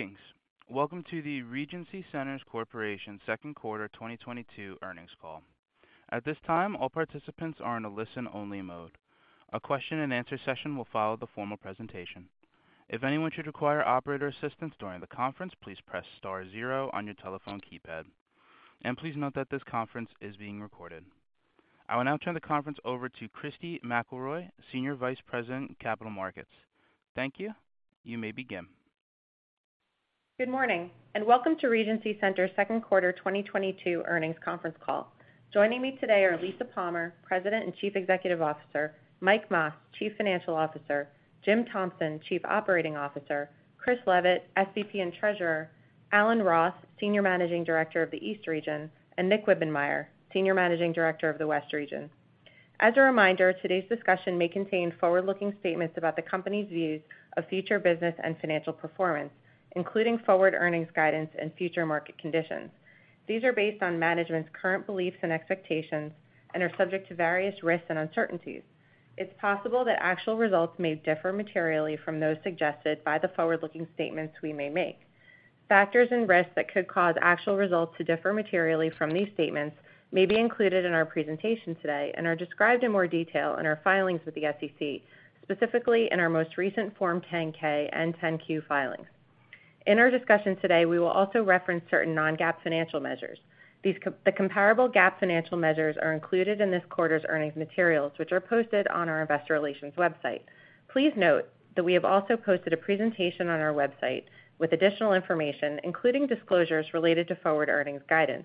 Thanks. Welcome to the Regency Centers Corporation second quarter 2022 earnings call. At this time, all participants are in a listen-only mode. A question-and-answer session will follow the formal presentation. If anyone should require operator assistance during the conference, please press star zero on your telephone keypad. Please note that this conference is being recorded. I will now turn the conference over to Christy McElroy, Senior Vice President, Capital Markets. Thank you. You may begin. Good morning, and welcome to Regency Centers' second quarter 2022 earnings conference call. Joining me today are Lisa Palmer, President and Chief Executive Officer, Mike Mas, Chief Financial Officer, Jim Thompson, Chief Operating Officer, Chris Leavitt, SVP and Treasurer, Alan Roth, Senior Managing Director of the East region, and Nick Wibbenmeyer, Senior Managing Director of the West region. As a reminder, today's discussion may contain forward-looking statements about the company's views of future business and financial performance, including forward earnings guidance and future market conditions. These are based on management's current beliefs and expectations and are subject to various risks and uncertainties. It's possible that actual results may differ materially from those suggested by the forward-looking statements we may make. Factors and risks that could cause actual results to differ materially from these statements may be included in our presentation today and are described in more detail in our filings with the SEC, specifically in our most recent Form 10-K and 10-Q filings. In our discussion today, we will also reference certain non-GAAP financial measures. These comparable GAAP financial measures are included in this quarter's earnings materials, which are posted on our investor relations website. Please note that we have also posted a presentation on our website with additional information, including disclosures related to forward earnings guidance.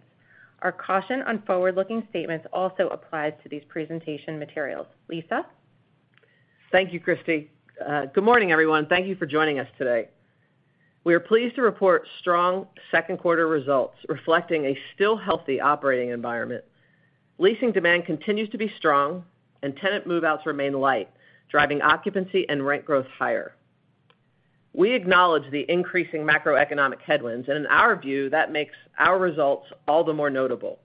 Our caution on forward-looking statements also applies to these presentation materials. Lisa. Thank you, Christy. Good morning, everyone. Thank you for joining us today. We are pleased to report strong second quarter results reflecting a still healthy operating environment. Leasing demand continues to be strong and tenant move-outs remain light, driving occupancy and rent growth higher. We acknowledge the increasing macroeconomic headwinds, and in our view, that makes our results all the more notable.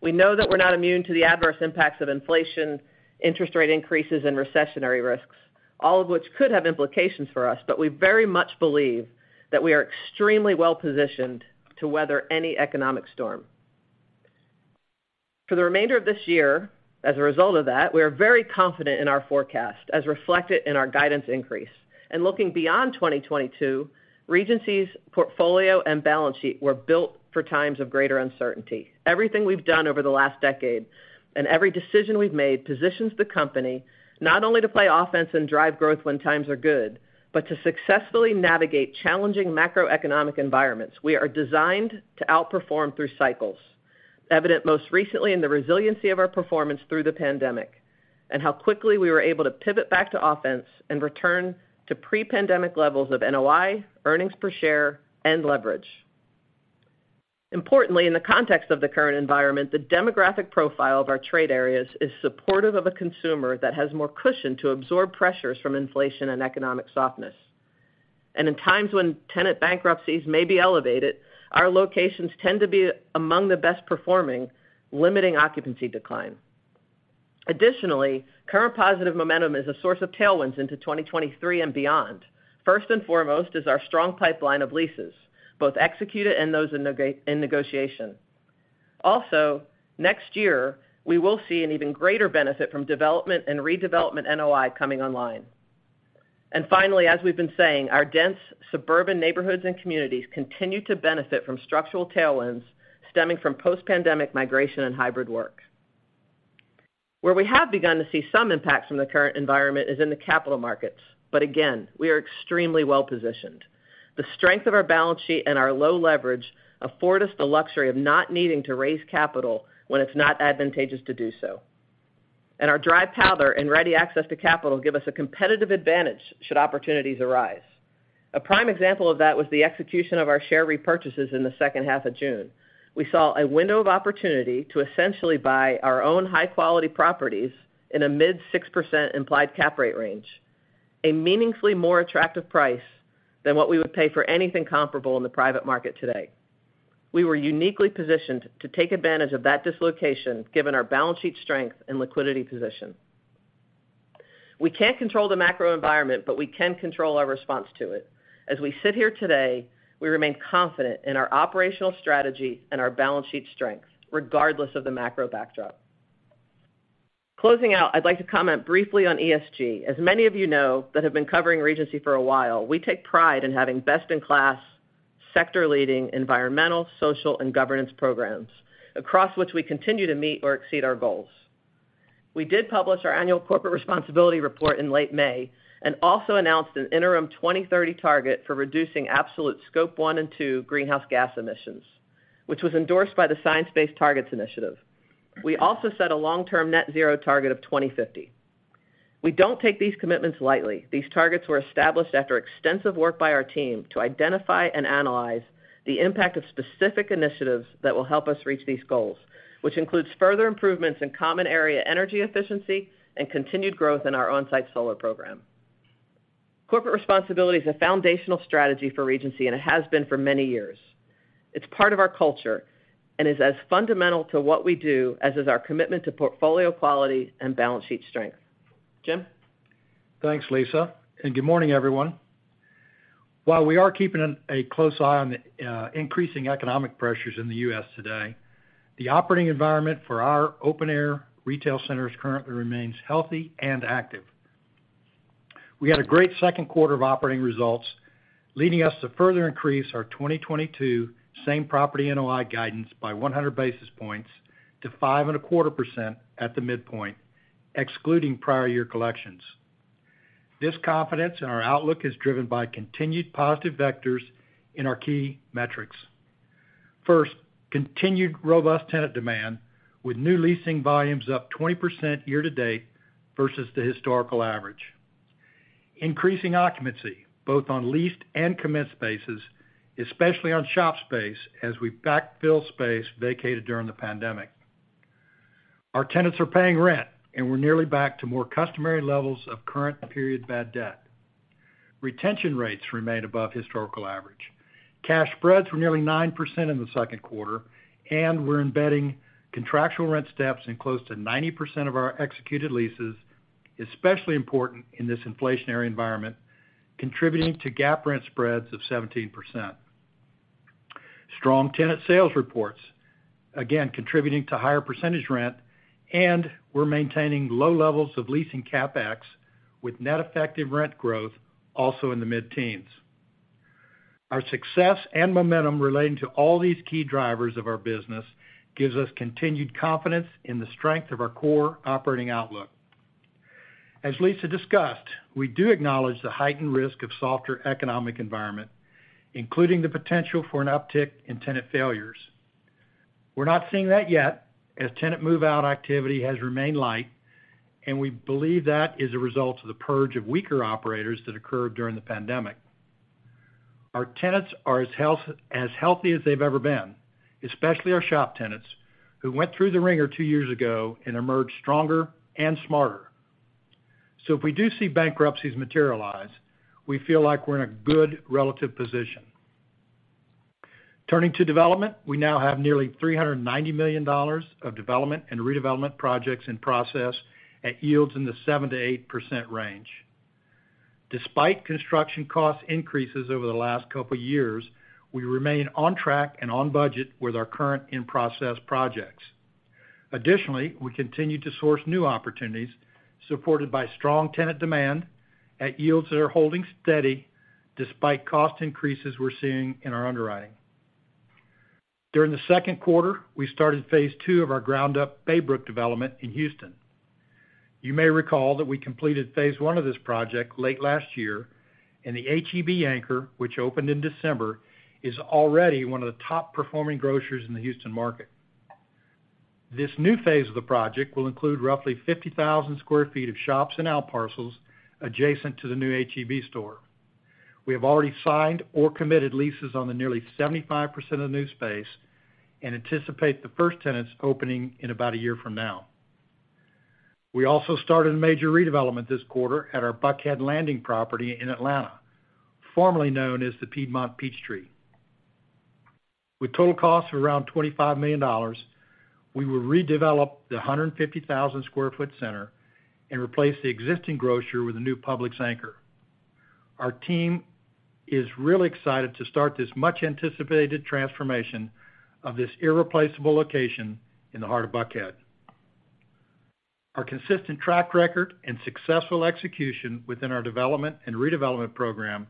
We know that we're not immune to the adverse impacts of inflation, interest rate increases and recessionary risks, all of which could have implications for us, but we very much believe that we are extremely well-positioned to weather any economic storm. For the remainder of this year, as a result of that, we are very confident in our forecast as reflected in our guidance increase. Looking beyond 2022, Regency's portfolio and balance sheet were built for times of greater uncertainty. Everything we've done over the last decade and every decision we've made positions the company not only to play offense and drive growth when times are good, but to successfully navigate challenging macroeconomic environments. We are designed to outperform through cycles, evident most recently in the resiliency of our performance through the pandemic, and how quickly we were able to pivot back to offense and return to pre-pandemic levels of NOI, earnings per share, and leverage. Importantly, in the context of the current environment, the demographic profile of our trade areas is supportive of a consumer that has more cushion to absorb pressures from inflation and economic softness. In times when tenant bankruptcies may be elevated, our locations tend to be among the best performing, limiting occupancy decline. Additionally, current positive momentum is a source of tailwinds into 2023 and beyond. First and foremost is our strong pipeline of leases, both executed and those in negotiation. Also, next year, we will see an even greater benefit from development and redevelopment NOI coming online. Finally, as we've been saying, our dense suburban neighborhoods and communities continue to benefit from structural tailwinds stemming from post-pandemic migration and hybrid work. Where we have begun to see some impact from the current environment is in the capital markets, but again, we are extremely well-positioned. The strength of our balance sheet and our low leverage afford us the luxury of not needing to raise capital when it's not advantageous to do so. Our dry powder and ready access to capital give us a competitive advantage should opportunities arise. A prime example of that was the execution of our share repurchases in the second half of June. We saw a window of opportunity to essentially buy our own high-quality properties in a mid-6% implied cap rate range, a meaningfully more attractive price than what we would pay for anything comparable in the private market today. We were uniquely positioned to take advantage of that dislocation given our balance sheet strength and liquidity position. We can't control the macro environment, but we can control our response to it. As we sit here today, we remain confident in our operational strategy and our balance sheet strength, regardless of the macro backdrop. Closing out, I'd like to comment briefly on ESG. As many of you know that have been covering Regency for a while, we take pride in having best-in-class, sector leading environmental, social, and governance programs across which we continue to meet or exceed our goals. We did publish our annual corporate responsibility report in late May and also announced an interim 2030 target for reducing absolute Scope one and two greenhouse gas emissions, which was endorsed by the Science Based Targets initiative. We also set a long-term net zero target of 2050. We don't take these commitments lightly. These targets were established after extensive work by our team to identify and analyze the impact of specific initiatives that will help us reach these goals, which includes further improvements in common area energy efficiency and continued growth in our on-site solar program. Corporate responsibility is a foundational strategy for Regency, and it has been for many years. It's part of our culture and is as fundamental to what we do as is our commitment to portfolio quality and balance sheet strength. Jim? Thanks, Lisa, and good morning, everyone. While we are keeping a close eye on the increasing economic pressures in the U.S. today, the operating environment for our open air retail centers currently remains healthy and active. We had a great second quarter of operating results, leading us to further increase our 2022 same property NOI guidance by 100 basis points to 5.25% at the midpoint, excluding prior year collections. This confidence in our outlook is driven by continued positive vectors in our key metrics. First, continued robust tenant demand, with new leasing volumes up 20% year to date versus the historical average. Increasing occupancy, both on leased and commenced spaces, especially on shop space, as we backfill space vacated during the pandemic. Our tenants are paying rent, and we're nearly back to more customary levels of current period bad debt. Retention rates remain above historical average. Cash spreads were nearly 9% in the second quarter, and we're embedding contractual rent steps in close to 90% of our executed leases, especially important in this inflationary environment, contributing to GAAP rent spreads of 17%. Strong tenant sales reports, again contributing to higher % rent, and we're maintaining low levels of leasing CapEx with net effective rent growth also in the mid-teens. Our success and momentum relating to all these key drivers of our business gives us continued confidence in the strength of our core operating outlook. As Lisa discussed, we do acknowledge the heightened risk of softer economic environment, including the potential for an uptick in tenant failures. We're not seeing that yet, as tenant move-out activity has remained light, and we believe that is a result of the purge of weaker operators that occurred during the pandemic. Our tenants are as healthy as they've ever been, especially our shop tenants, who went through the wringer two years ago and emerged stronger and smarter. If we do see bankruptcies materialize, we feel like we're in a good relative position. Turning to development, we now have nearly $390 million of development and redevelopment projects in process at yields in the 7%-8% range. Despite construction cost increases over the last couple years, we remain on track and on budget with our current in-process projects. Additionally, we continue to source new opportunities supported by strong tenant demand at yields that are holding steady despite cost increases we're seeing in our underwriting. During the second quarter, we started phase II of our ground-up Baybrook development in Houston. You may recall that we completed phase I of this project late last year, and the H-E-B anchor, which opened in December, is already one of the top-performing grocers in the Houston market. This new phase of the project will include roughly 50,000 sq ft of shops and outparcels adjacent to the new H-E-B store. We have already signed or committed leases on the nearly 75% of the new space and anticipate the first tenants opening in about a year from now. We also started a major redevelopment this quarter at our Buckhead Landing property in Atlanta, formerly known as the Piedmont Peachtree. With total costs of around $25 million, we will redevelop the 150,000 sq ft center and replace the existing grocer with a new Publix anchor. Our team is really excited to start this much-anticipated transformation of this irreplaceable location in the heart of Buckhead. Our consistent track record and successful execution within our development and redevelopment program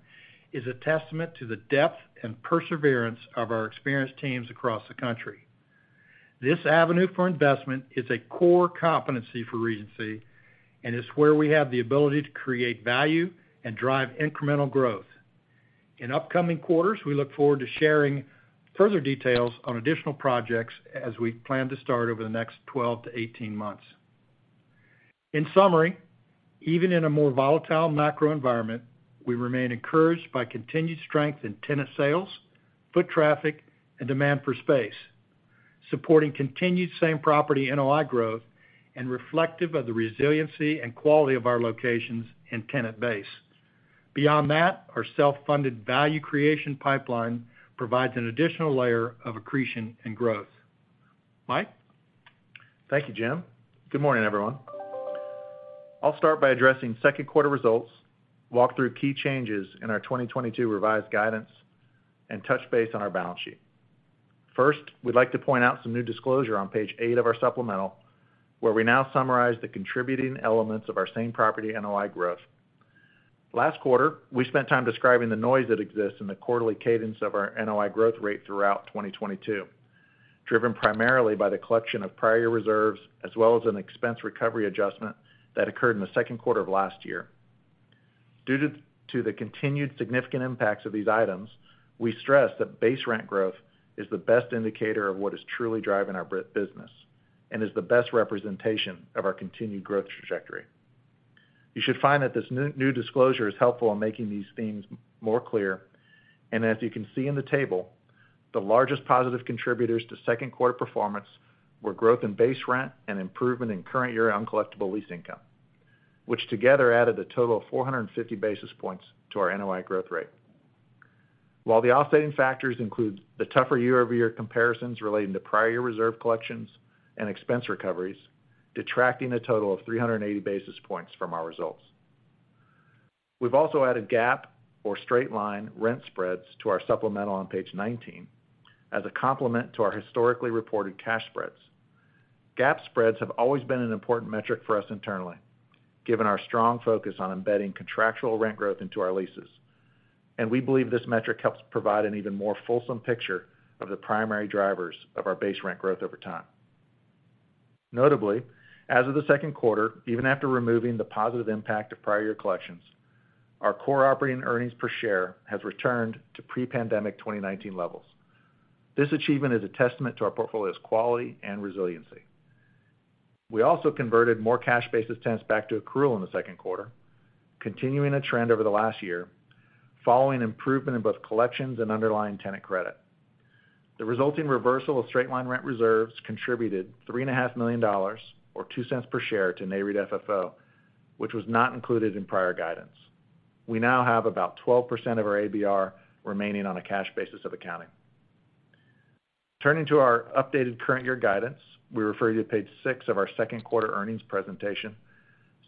is a testament to the depth and perseverance of our experienced teams across the country. This avenue for investment is a core competency for Regency and is where we have the ability to create value and drive incremental growth. In upcoming quarters, we look forward to sharing further details on additional projects as we plan to start over the next 12-18 months. In summary, even in a more volatile macro environment, we remain encouraged by continued strength in tenant sales, foot traffic, and demand for space, supporting continued same-property NOI growth and reflective of the resiliency and quality of our locations and tenant base. Beyond that, our self-funded value creation pipeline provides an additional layer of accretion and growth. Mike? Thank you, Jim. Good morning, everyone. I'll start by addressing second quarter results, walk through key changes in our 2022 revised guidance, and touch base on our balance sheet. First, we'd like to point out some new disclosure on page eight of our supplemental, where we now summarize the contributing elements of our same property NOI growth. Last quarter, we spent time describing the noise that exists in the quarterly cadence of our NOI growth rate throughout 2022, driven primarily by the collection of prior reserves as well as an expense recovery adjustment that occurred in the second quarter of last year. Due to the continued significant impacts of these items, we stress that base rent growth is the best indicator of what is truly driving our business and is the best representation of our continued growth trajectory. You should find that this new disclosure is helpful in making these themes more clear. As you can see in the table, the largest positive contributors to second quarter performance were growth in base rent and improvement in current-year uncollectible lease income, which together added a total of 450 basis points to our NOI growth rate. While the offsetting factors include the tougher year-over-year comparisons relating to prior year reserve collections and expense recoveries, detracting a total of 380 basis points from our results. We've also added GAAP or straight-line rent spreads to our supplemental on page 19 as a complement to our historically reported cash spreads. GAAP spreads have always been an important metric for us internally, given our stro lng focus on embedding contractual rent growth into our leases. We believe this metric helps provide an even more fulsome picture of the primary drivers of our base rent growth over time. Notably, as of the second quarter, even after removing the positive impact of prior year collections, our core operating earnings per share has returned to pre-pandemic 2019 levels. This achievement is a testament to our portfolio's quality and resiliency. We also converted more cash-basis tenants back to accrual in the second quarter, continuing a trend over the last year following improvement in both collections and underlying tenant credit. The resulting reversal of straight-line rent reserves contributed $3.5 million or $0.02 per share to Nareit FFO, which was not included in prior guidance. We now have about 12% of our ABR remaining on a cash basis of accounting. Turning to our updated current year guidance, we refer you to page 6 of our second quarter earnings presentation,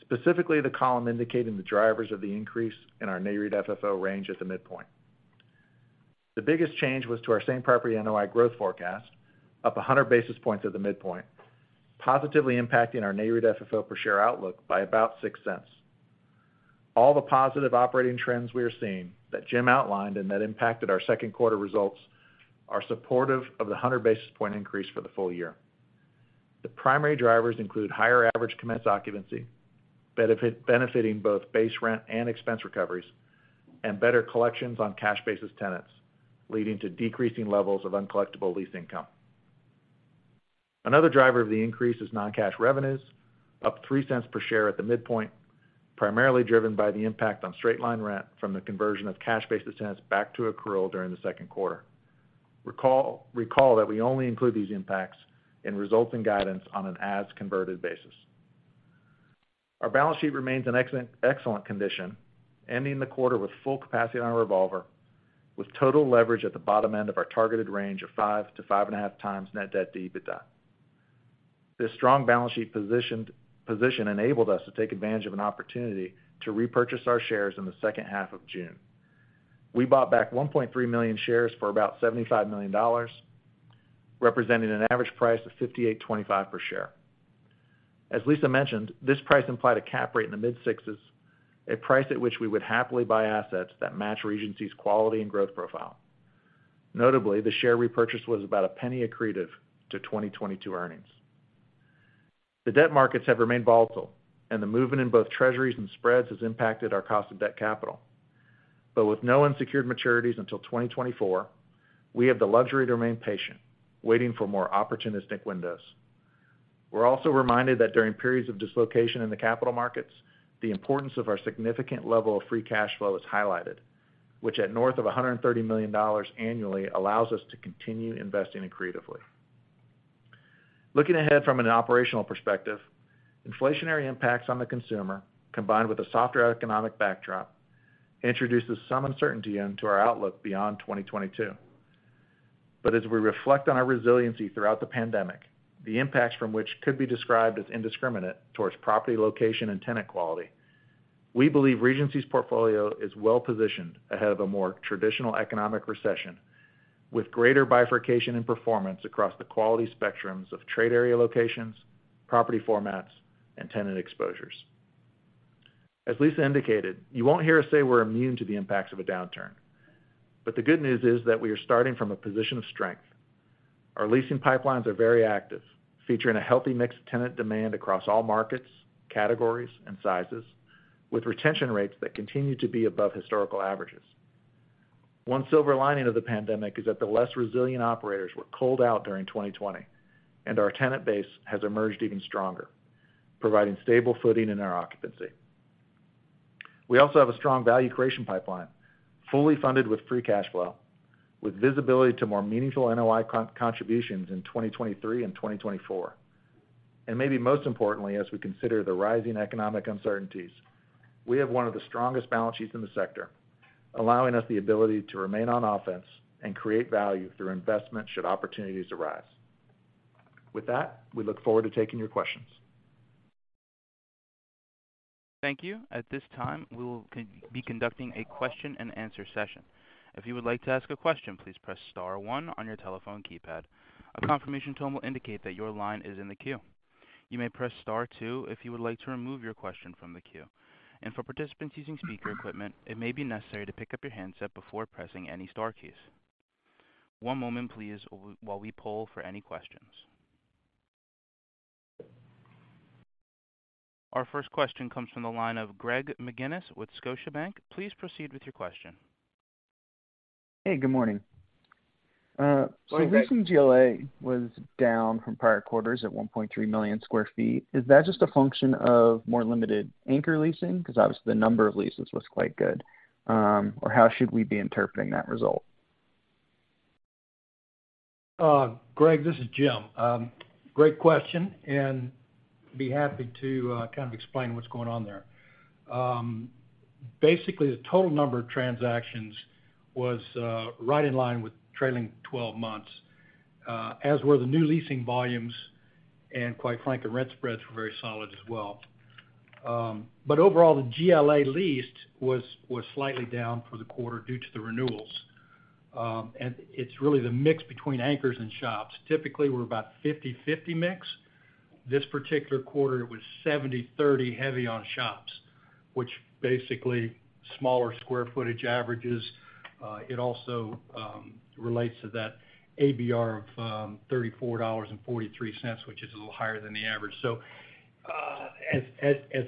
specifically the column indicating the drivers of the increase in our Nareit FFO range at the midpoint. The biggest change was to our same property NOI growth forecast, up 100 basis points at the midpoint, positively impacting our Nareit FFO per share outlook by about $0.06. All the positive operating trends we are seeing that Jim outlined and that impacted our second quarter results are supportive of the 100 basis point increase for the full year. The primary drivers include higher average commenced occupancy, benefiting both base rent and expense recoveries, and better collections on cash-basis tenants, leading to decreasing levels of uncollectible lease income. Another driver of the increase is non-cash revenues, up $0.03 per share at the midpoint, primarily driven by the impact on straight-line rent from the conversion of cash-basis tenants back to accrual during the second quarter. Recall that we only include these impacts in resulting guidance on an as converted basis. Our balance sheet remains in excellent condition, ending the quarter with full capacity on our revolver, with total leverage at the bottom end of our targeted range of 5-5.5 times net debt to EBITDA. This strong balance sheet position enabled us to take advantage of an opportunity to repurchase our shares in the second half of June. We bought back 1.3 million shares for about $75 million, representing an average price of $58.25 per share. As Lisa mentioned, this price implied a cap rate in the mid-sixes, a price at which we would happily buy assets that match Regency's quality and growth profile. Notably, the share repurchase was about a penny accretive to 2022 earnings. The debt markets have remained volatile, and the movement in both Treasuries and spreads has impacted our cost of debt capital. With no unsecured maturities until 2024, we have the luxury to remain patient, waiting for more opportunistic windows. We're also reminded that during periods of dislocation in the capital markets, the importance of our significant level of free cash flow is highlighted, which at north of $130 million annually allows us to continue investing accretively. Looking ahead from an operational perspective, inflationary impacts on the consumer, combined with a softer economic backdrop, introduces some uncertainty into our outlook beyond 2022. As we reflect on our resiliency throughout the pandemic, the impacts from which could be described as indiscriminate towards property location and tenant quality, we believe Regency's portfolio is well positioned ahead of a more traditional economic recession, with greater bifurcation and performance across the quality spectrums of trade area locations, property formats, and tenant exposures. As Lisa indicated, you won't hear us say we're immune to the impacts of a downturn. The good news is that we are starting from a position of strength. Our leasing pipelines are very active, featuring a healthy mix of tenant demand across all markets, categories and sizes, with retention rates that continue to be above historical averages. One silver lining of the pandemic is that the less resilient operators were culled out during 2020, and our tenant base has emerged even stronger, providing stable footing in our occupancy. We also have a strong value creation pipeline, fully funded with free cash flow, with visibility to more meaningful NOI contributions in 2023 and 2024. Maybe most importantly, as we consider the rising economic uncertainties, we have one of the strongest balance sheets in the sector, allowing us the ability to remain on offense and create value through investme nt should opportunities arise. With that, we look forward to taking your questions. Thank you. At this time, we will be conducting a question and answer session. If you would like to ask a question, please press star one on your telephone keypad. A confirmation tone will indicate that your line is in the queue. You may press star two if you would like to remove your question from the queue. For participants using speaker equipment, it may be necessary to pick up your handset before pressing any star keys. One moment please while we poll for any questions. Our first question comes from the line of Greg McGinniss with Scotiabank. Please proceed with your question. Hey, good morning. Good morning, Greg. Leasing GLA was down from prior quarters at 1.3 million sq ft. Is that just a function of more limited anchor leasing? Because obviously the number of leases was quite good, or how should we be interpreting that result? Greg, this is Jim. Great question, and be happy to kind of explain what's going on there. Basically, the total number of transactions was right in line with trailing twelve months, as were the new leasing volumes, and quite frankly, rent spreads were very solid as well. Overall, the GLA leased was slightly down for the quarter due to the renewals. It's really the mix between anchors and shops. Typically, we're about 50/50 mix. This particular quarter, it was 70/30, heavy on shops, which basically smaller square footage averages. It also relates to that ABR of $34.43, which is a little higher than the average.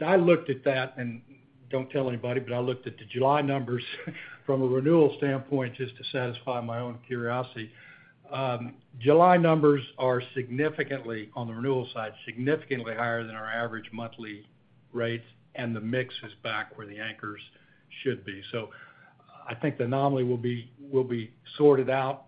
I looked at that, and don't tell anybody, but I looked at the July numbers from a renewal standpoint, just to satisfy my own curiosity. July numbers are significantly, on the renewal side, significantly higher than our average monthly rates, and the mix is back where the anchors should be. I think the anomaly will be sorted out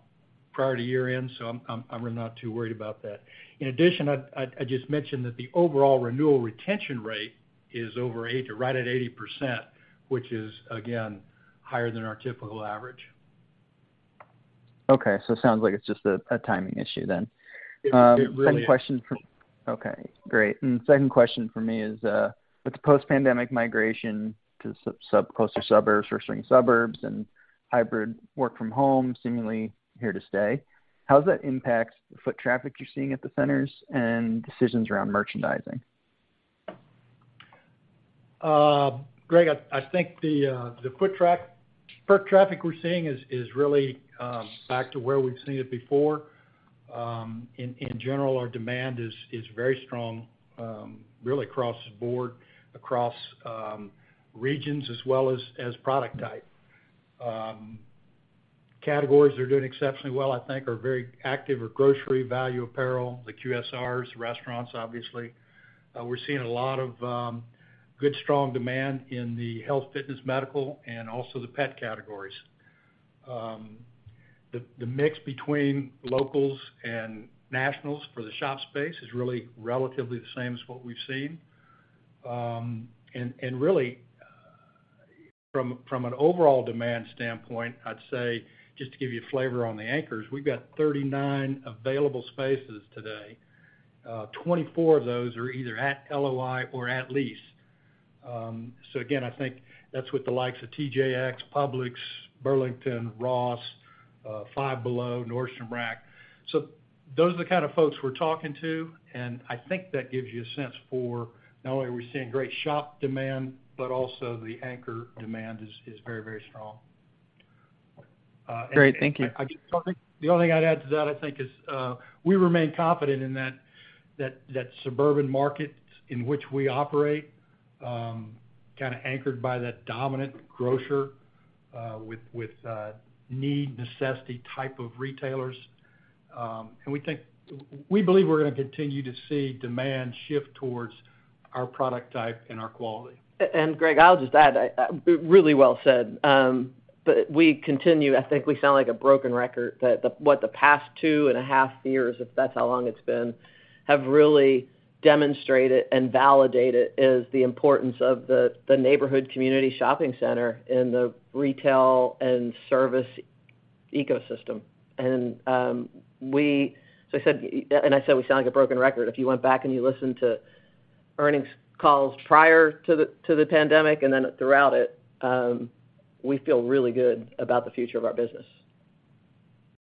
prior to year-end, so I'm not too worried about that. In addition, I'd just mention that the overall renewal retention rate is over eight or right at 80%, which is again, higher than our typical average. Okay. It sounds like it's just a timing issue then. It really is. Okay, great. Second question for me is, with the post-pandemic migration to closer suburbs or certain suburbs and hybrid work from home seemingly here to stay, how does that impact the foot traffic you're seeing at the centers and decisions around merchandising? Greg, I think the foot traffic we're seeing is really back to where we've seen it before. In general, our demand is very strong, really across the board, across regions as well as product type. Categories that are doing exceptionally well, I think are very active or grocery value apparel, the QSRs, restaurants, obviously. We're seeing a lot of good, strong demand in the health fitness medical and also the pet categories. The mix between locals and nationals for the shop space is really relatively the same as what we've seen. Really, from an overall demand standpoint, I'd say, just to give you a flavor on the anchors, we've got 39 available spaces today. Twenty-four of those are either at LOI or at lease. Again, I think that's with the likes of TJX, Publix, Burlington, Ross, Five Below, Nordstrom Rack. Those are the kind of folks we're talking to, and I think that gives you a sense for not only are we seeing great shop demand, but also the anchor demand is very, very strong. Great. Thank you. The only thing I'd add to that, I think, is we remain confident in that suburban market in which we operate, kind of anchored by that dominant grocer, with necessity type of retailers. We believe we're gonna continue to see demand shift towards our product type and our quality. Greg, I'll just add, really well said. We continue, I think we sound like a broken record, but what the past two and a half years, if that's how long it's been, have really demonstrated and validated is the importance of the neighborhood community shopping center in the retail and service ecosystem. We sound like a broken record. If you went back and you listened to earnings calls prior to the pandemic and then throughout it, we feel really good about the future of our business.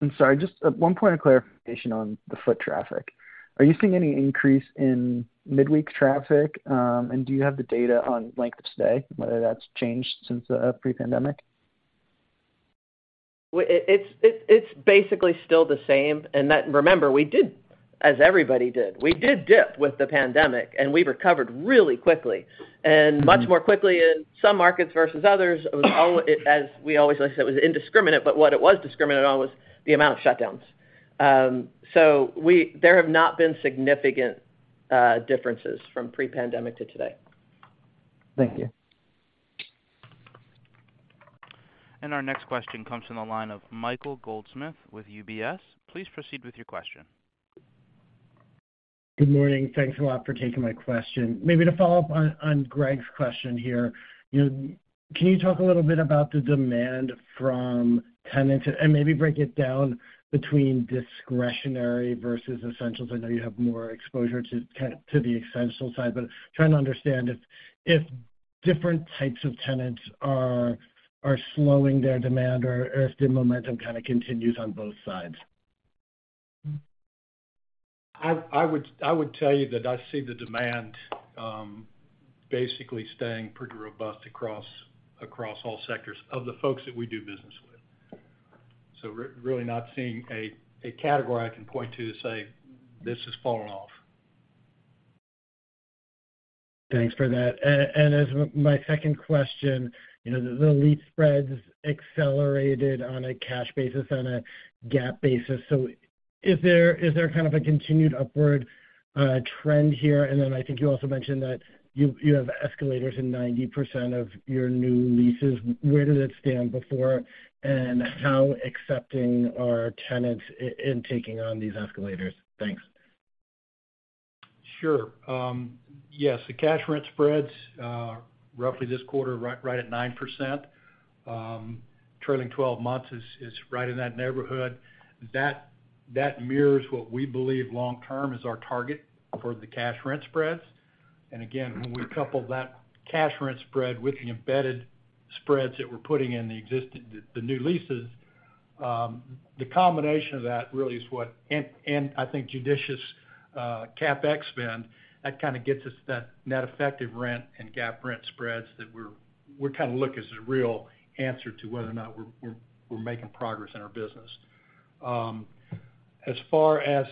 I'm sorry, just, one point of clarification on the foot traffic. Are you seeing any increase in midweek traffic, and do you have the data on length of stay, whether that's changed since pre-pandemic? Well, it's basically still the same. Remember, we did, as everybody did, dip with the pandemic, and we recovered really quickly and much more quickly in some markets versus others. It was all, as we always say, indiscriminate, but what it was discriminating on was the amount of shutdowns. There have not been significant differences from pre-pandemic to today. Thank you. Our next question comes from the line of Michael Goldsmith with UBS. Please proceed with your question. Good morning. Thanks a lot for taking my question. Maybe to follow up on Greg's question here, you know, can you talk a little bit about the demand from tenants and maybe break it down between discretionary versus essentials? I know you have more exposure to the essential side, but trying to understand if different types of tenants are slowing their demand or if the momentum kind of continues on both sides. I would tell you that I see the demand basically staying pretty robust across all sectors of the folks that we do business with. Really not seeing a category I can point to to say, this has fallen off. Thanks for that. As my second question, you know, the lease spreads accelerated on a cash basis on a GAAP basis. Is there kind of a continued upward trend here? I think you also mentioned that you have escalators in 90% of your new leases. Where did it stand before, and how accepting are tenants in taking on these escalators? Thanks. Sure. Yes, the cash rent spreads, roughly this quarter, right at 9%. Trailing months is right in that neighborhood. That mirrors what we believe long term is our target for the cash rent spreads. Again, when we couple that cash rent spread with the embedded spreads that we're putting in the new leases, the combination of that really is what I think judicious CapEx spend, that kind of gets us that net effective rent and GAAP rent spreads that we're kind of looking at as a real answer to whether or not we're making progress in our business. As far as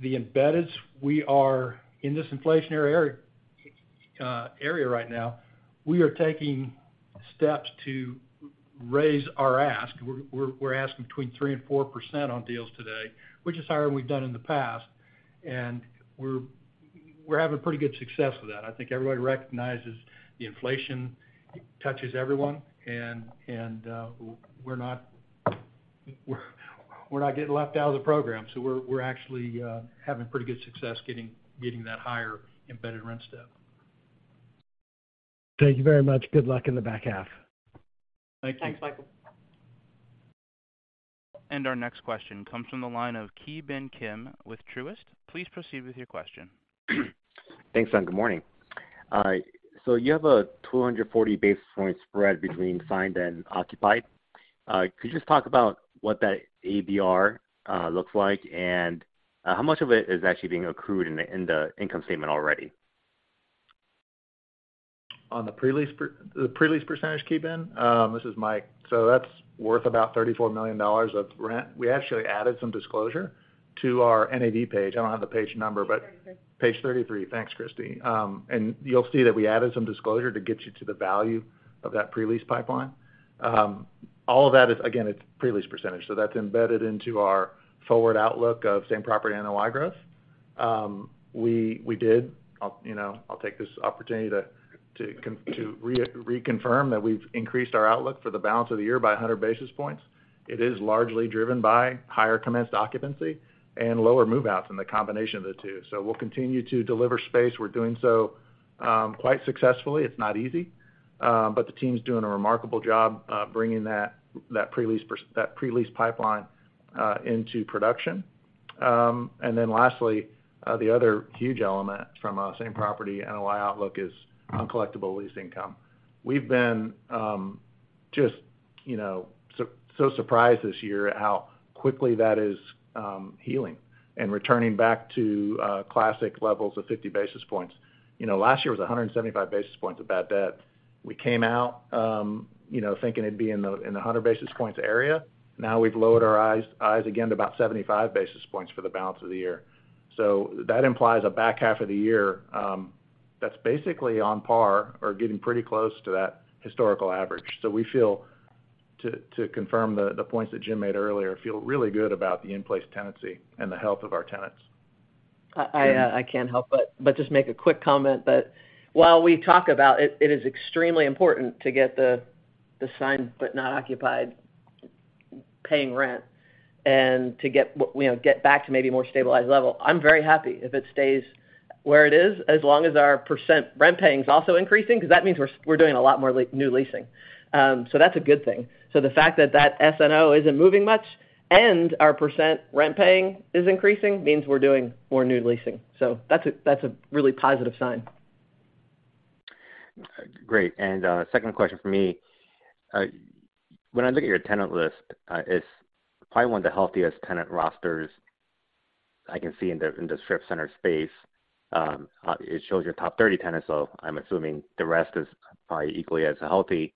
the embedders, we are in this inflationary area right now. We are taking steps to raise our ask. We're asking between 3%-4% on deals today, which is higher than we've done in the past, and we're having pretty good success with that. I think everybody recognizes the inflation touches everyone and we're not getting left out of the program. We're actually having pretty good success getting that higher embedded rent step. Thank you very much. Good luck in the back half. Thank you. Thanks, Michael. Our next question comes from the line of Ki Bin Kim with Truist. Please proceed with your question. Thanks, and good morning. You have a 240 basis point spread between signed and occupied. Could you just talk about what that ABR looks like and how much of it is actually being accrued in the income statement already? The pre-lease %, Ki Bin? This is Mike. That's worth about $34 million of rent. We actually added some disclosure to our NAV page. I don't have the page number, but. Page 33. Page 33. Thanks, Christy. You'll see that we added some disclosure to get you to the value of that pre-lease pipeline. All of that is, again, it's pre-lease %, so that's embedded into our forward outlook of same property NOI growth. We did, you know, I'll take this opportunity to reconfirm that we've increased our outlook for the balance of the year by 100 basis points. It is largely driven by higher commenced occupancy and lower move-outs and the combination of the two. We'll continue to deliver space. We're doing so quite successfully. It's not easy, but the team's doing a remarkable job bringing that pre-lease pipeline into production. Then lastly, the other huge element from a same property NOI outlook is uncollectible lease income. We've been just, you know, so surprised this year at how quickly that is healing and returning back to classic levels of 50 basis points. You know, last year was 175 basis points of bad debt. We came out, you know, thinking it'd be in the 100 basis points area. Now, we've lowered our sights again to about 75 basis points for the balance of the year. That implies a back half of the year that's basically on par or getting pretty close to that historical average. We feel, to confirm the points that Jim made earlier, really good about the in-place tenancy and the health of our tenants. I can't help but just make a quick comment that while we talk about it is extremely important to get the signed but not occupied paying rent and to get you know get back to maybe more stabilized level. I'm very happy if it stays where it is, as long as our percent rent paying is also increasing, 'cause that means we're doing a lot more new leasing. That's a good thing. The fact that that SNO isn't moving much and our percent rent paying is increasing means we're doing more new leasing. That's a really positive sign. Great. Second question from me. When I look at your tenant list, it's probably one of the healthiest tenant rosters I can see in the strip center space. It shows your top 30 tenants, so I'm assuming the rest is probably equally as healthy.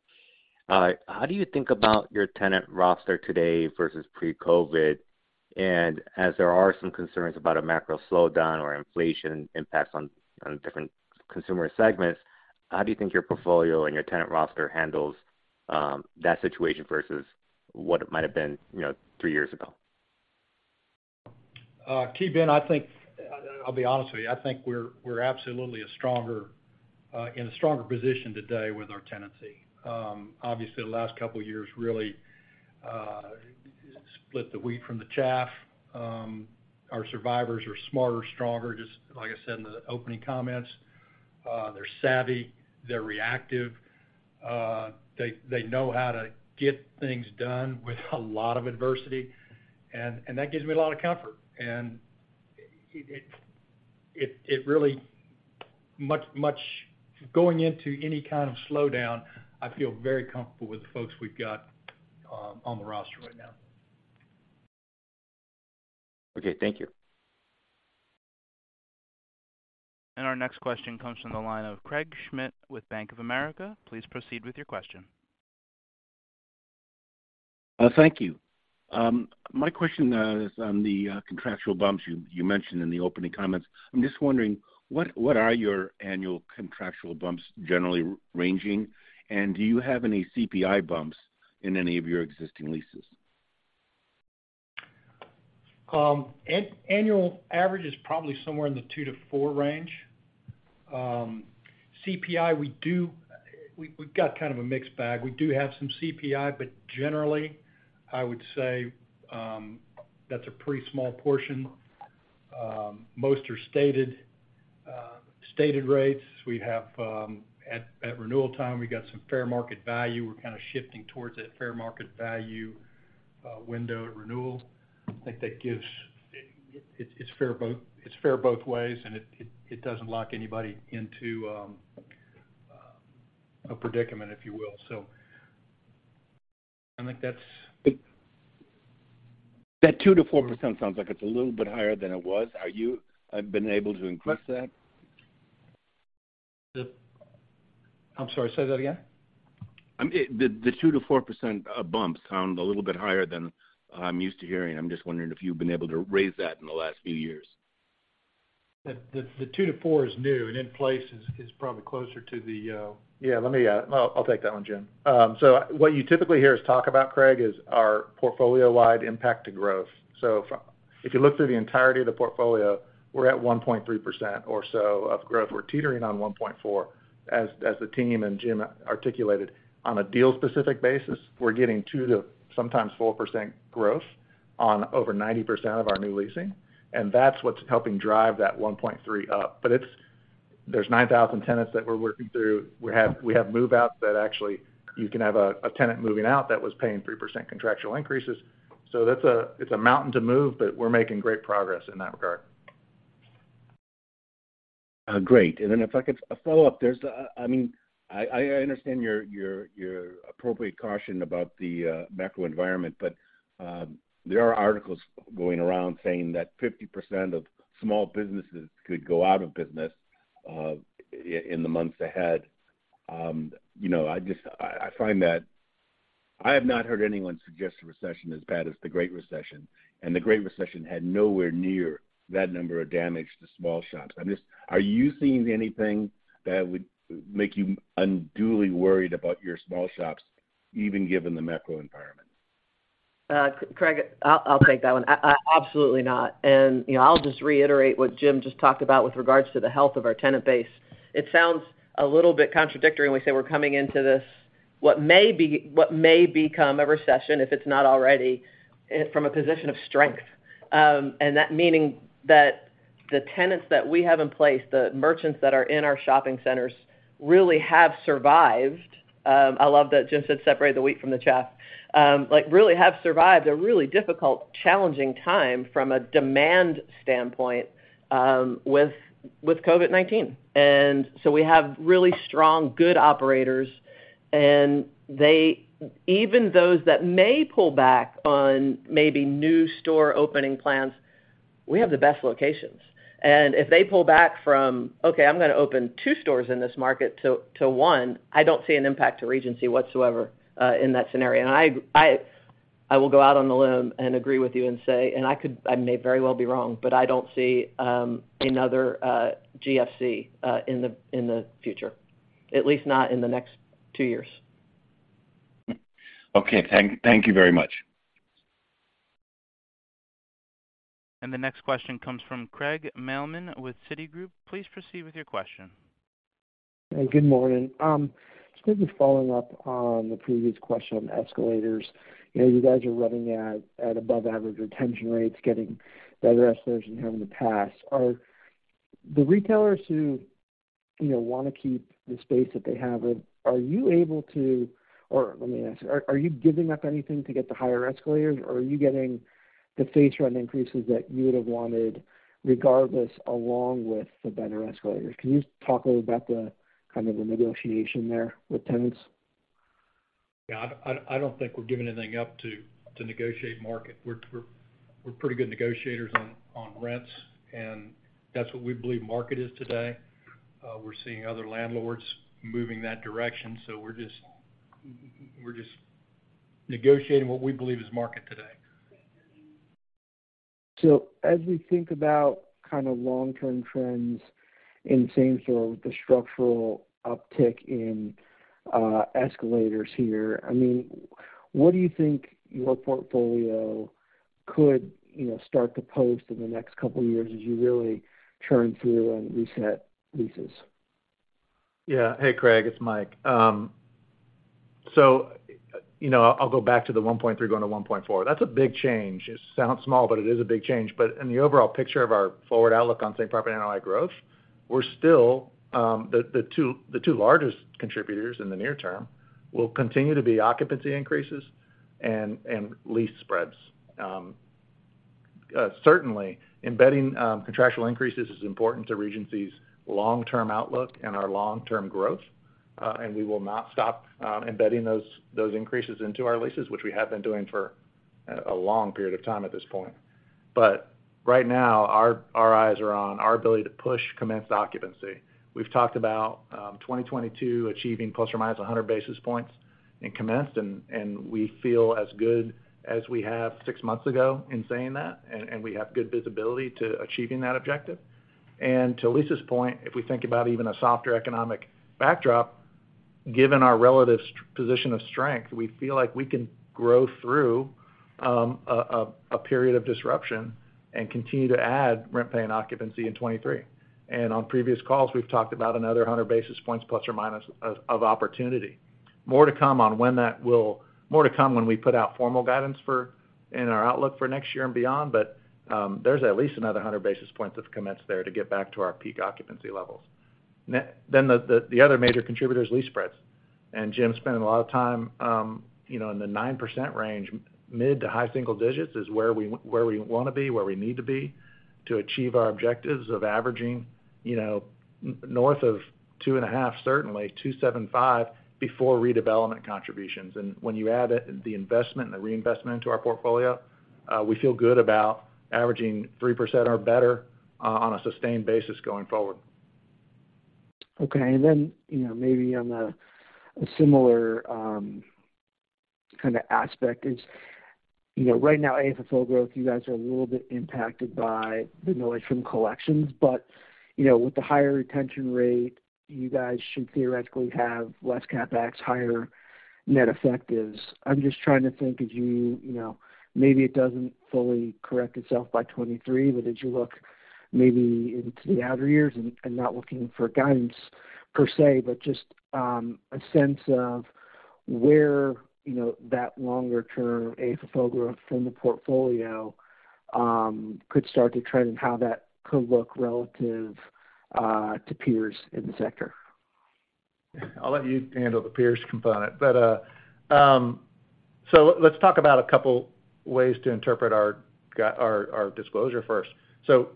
How do you think about your tenant roster today versus pre-COVID? As there are some concerns about a macro slowdown or inflation impacts on different consumer segments, how do you think your portfolio and your tenant roster handles that situation versus what it might have been, you know, three years ago? Ki Bin Kim, I think I'll be honest with you. I think we're absolutely a stronger in a stronger position today with our tenancy. Obviously, the last couple of years really split the wheat from the chaff. Our survivors are smarter, stronger, just like I said in the opening comments. They're savvy. They're reactive. They know how to get things done with a lot of adversity, and that gives me a lot of comfort. It really much much going into any kind of slowdown, I feel very comfortable with the folks we've got on the roster right now. Okay. Thank you. Our next question comes from the line of Craig Schmidt with Bank of America. Please proceed with your question. Thank you. My question is on the contractual bumps you mentioned in the opening comments. I'm just wondering, what are your annual contractual bumps generally ranging? And do you have any CPI bumps in any of your existing leases? Annual average is probably somewhere in the 2-4 range. CPI, we've got kind of a mixed bag. We do have some CPI, but generally, I would say, that's a pretty small portion. Most are stated rates. We have, at renewal time, we got some fair market value. We're kind of shifting towards that fair market value window at renewal. I think that gives. It's fair both ways, and it doesn't lock anybody into a predicament, if you will. I think that's- That 2%-4% sounds like it's a little bit higher than it was. Have you been able to increase that? I'm sorry, say that again. The 2%-4% bumps sound a little bit higher than I'm used to hearing. I'm just wondering if you've been able to raise that in the last few years. The 2-4 is new. In place is probably closer to the. Yeah, let me. I'll take that one, Jim. What you typically hear us talk about, Craig, is our portfolio-wide impact to growth. If you look through the entirety of the portfolio, we're at 1.3% or so of growth. We're teetering on 1.4%. As the team and Jim articulated, on a deal specific basis, we're getting 2% to sometimes 4% growth on over 90% of our new leasing, and that's what's helping drive that 1.3% up. It's. There's 9,000 tenants that we're working through. We have move-outs that actually, you can have a tenant moving out that was paying 3% contractual increases. That's. It's a mountain to move, but we're making great progress in that regard. If I could follow up. I mean, I understand your appropriate caution about the macro environment, but there are articles going around saying that 50% of small businesses could go out of business in the months ahead. You know, I just find that I have not heard anyone suggest a recession as bad as the Great Recession, and the Great Recession had nowhere near that number of damage to small shops. Are you seeing anything that would make you unduly worried about your small shops, even given the macro environment? Craig, I'll take that one. Absolutely not. You know, I'll just reiterate what Jim just talked about with regards to the health of our tenant base. It sounds a little bit contradictory when we say we're coming into this, what may be, what may become a recession, if it's not already, from a position of strength. That meaning that the tenants that we have in place, the merchants that are in our shopping centers really have survived. I love that Jim said, "Separate the wheat from the chaff." Like really have survived a really difficult, challenging time from a demand standpoint, with COVID-19. We have really strong, good operators, and they, even those that may pull back on maybe new store opening plans, we have the best locations. If they pull back, okay, I'm gonna open two stores in this market to one. I don't see an impact to Regency whatsoever in that scenario. I will go out on a limb and agree with you. I may very well be wrong, but I don't see another GFC in the future, at least not in the next two years. Okay. Thank you very much. The next question comes from Craig Mailman with Citigroup. Please proceed with your question. Hey, good morning. Just quickly following up on the previous question on escalators. You know, you guys are running at above average retention rates, getting better escalators than you have in the past. Are the retailers who, you know, wanna keep the space that they have? Or let me ask, are you giving up anything to get the higher escalators, or are you getting the base rent increases that you would have wanted regardless, along with the better escalators? Can you talk a little about the kind of negotiation there with tenants? Yeah. I don't think we're giving anything up to negotiate market. We're pretty good negotiators on rents, and that's what we believe market is today. We're seeing other landlords moving that direction, so we're just negotiating what we believe is market today. As we think about kind of long-term trends in same store with the structural uptick in escalators here, I mean, what do you think your portfolio could, you know, start to post in the next couple of years as you really churn through and reset leases? Yeah. Hey, Craig, it's Mike. You know, I'll go back to the 1.3% going to 1.4%. That's a big change. It sounds small, but it is a big change. In the overall picture of our forward outlook on same property annualized growth, we're still the two largest contributors in the near term will continue to be occupancy increases and lease spreads. Certainly embedding contractual increases is important to Regency's long-term outlook and our long-term growth. We will not stop embedding those increases into our leases, which we have been doing for a long period of time at this point. Right now, our eyes are on our ability to push commenced occupancy. We've talked about 2022 achieving ±100 basis points in commencement, and we feel as good as we have six months ago in saying that, and we have good visibility to achieving that objective. To Lisa's point, if we think about even a softer economic backdrop. Given our relative position of strength, we feel like we can grow through a period of disruption and continue to add rent-paying occupancy in 2023. On previous calls, we've talked about another 100 basis points ± of opportunity. More to come on when that will. More to come when we put out formal guidance in our outlook for next year and beyond. There's at least another 100 basis points of commencement there to get back to our peak occupancy levels. The other major contributor is lease spreads. Jim spent a lot of time, you know, in the 9% range, mid- to high-single digits is where we wanna be, where we need to be to achieve our objectives of averaging, you know, north of 2.5, certainly 2.75, before redevelopment contributions. When you add the investment and the reinvestment into our portfolio, we feel good about averaging 3% or better on a sustained basis going forward. Okay. You know, maybe on a similar kind of aspect is, you know, right now, AFFO growth. You guys are a little bit impacted by the noise from collections. You know, with the higher retention rate, you guys should theoretically have less CapEx, higher net effectives. I'm just trying to think, as you know, maybe it doesn't fully correct itself by 2023. As you look maybe into the outer years, and not looking for guidance per se, but just a sense of where, you know, that longer term AFFO growth from the portfolio could start to trend and how that could look relative to peers in the sector. I'll let you handle the peers component. Let's talk about a couple ways to interpret our disclosure first.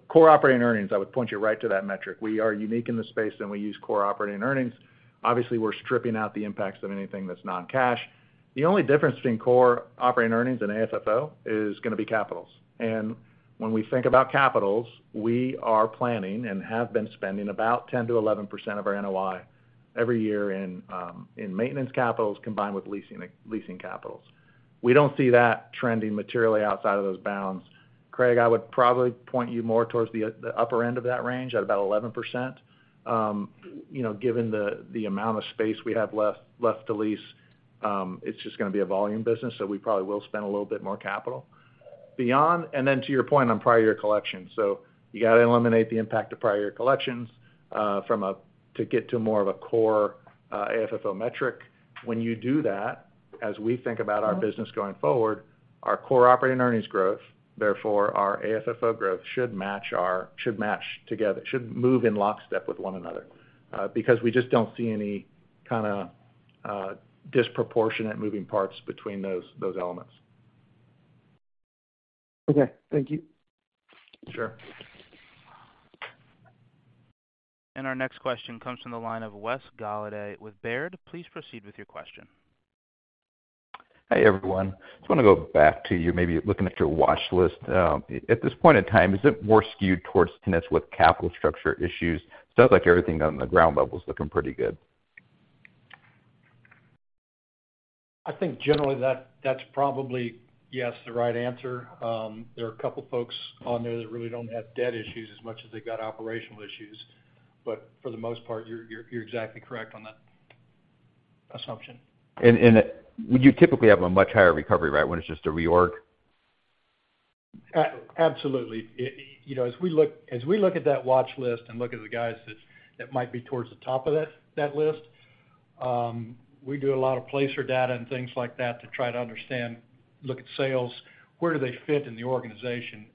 Core operating earnings, I would point you right to that metric. We are unique in the space, and we use core operating earnings. Obviously, we're stripping out the impacts of anything that's non-cash. The only difference between core operating earnings and AFFO is gonna be capitals. When we think about capitals, we are planning and have been spending about 10%-11% of our NOI every year in maintenance capitals combined with leasing capitals. We don't see that trending materially outside of those bounds. Craig, I would probably point you more towards the upper end of that range at about 11%. You know, given the amount of space we have left to lease, it's just gonna be a volume business, so we probably will spend a little bit more capital. To your point on prior year collections. You gotta eliminate the impact of prior year collections to get to more of a core AFFO metric. When you do that, as we think about our business going forward, our core operating earnings growth, therefore our AFFO growth, should match together, should move in lockstep with one another, because we just don't see any kinda disproportionate moving parts between those elements. Okay. Thank you. Sure. Our next question comes from the line of Wes Golladay with Baird. Please proceed with your question. Hi, everyone. Just wanna go back to you, maybe looking at your watch list. At this point in time, is it more skewed towards tenants with capital structure issues? Sounds like everything on the ground level is looking pretty good. I think generally that's probably, yes, the right answer. There are a couple folks on there that really don't have debt issues as much as they've got operational issues. For the most part, you're exactly correct on that assumption. Would you typically have a much higher recovery rate when it's just a reorg? Absolutely. You know, as we look at that watch list and look at the guys that might be towards the top of that list, we do a lot of Placer.ai data and things like that to try to understand, look at sales, where do they fit in the organization.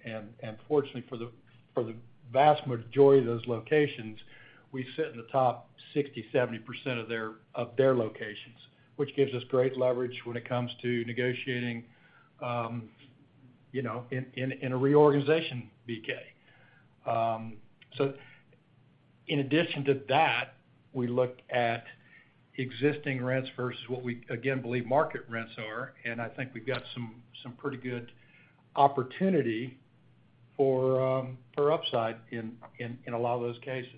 Fortunately for the vast majority of those locations, we sit in the top 60%-70% of their locations, which gives us great leverage when it comes to negotiating in a reorganization BK. In addition to that, we look at existing rents versus what we again believe market rents are, and I think we've got some pretty good opportunity for upside in a lot of those cases.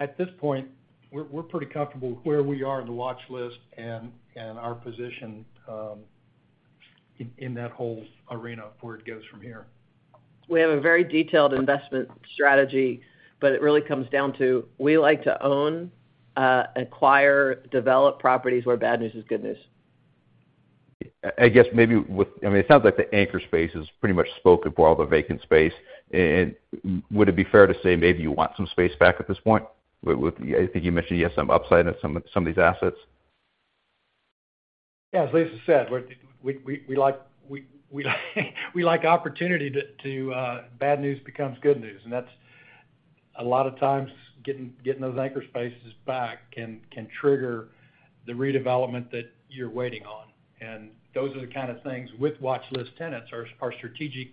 At this point, we're pretty comfortable where we are in the watch list and our position in that whole arena of where it goes from here. We have a very detailed investment strategy, but it really comes down to, we like to own, acquire, develop properties where bad news is good news. I guess maybe with, I mean, it sounds like the anchor space is pretty much spoken for all the vacant space. Would it be fair to say maybe you want some space back at this point? With, I think you mentioned you have some upside in some of these assets. Yeah, as Lisa said, we like the opportunity too. Bad news becomes good news, and that's a lot of times getting those anchor spaces back can trigger the redevelopment that you're waiting on. Those are the kind of things with watch list tenants are strategic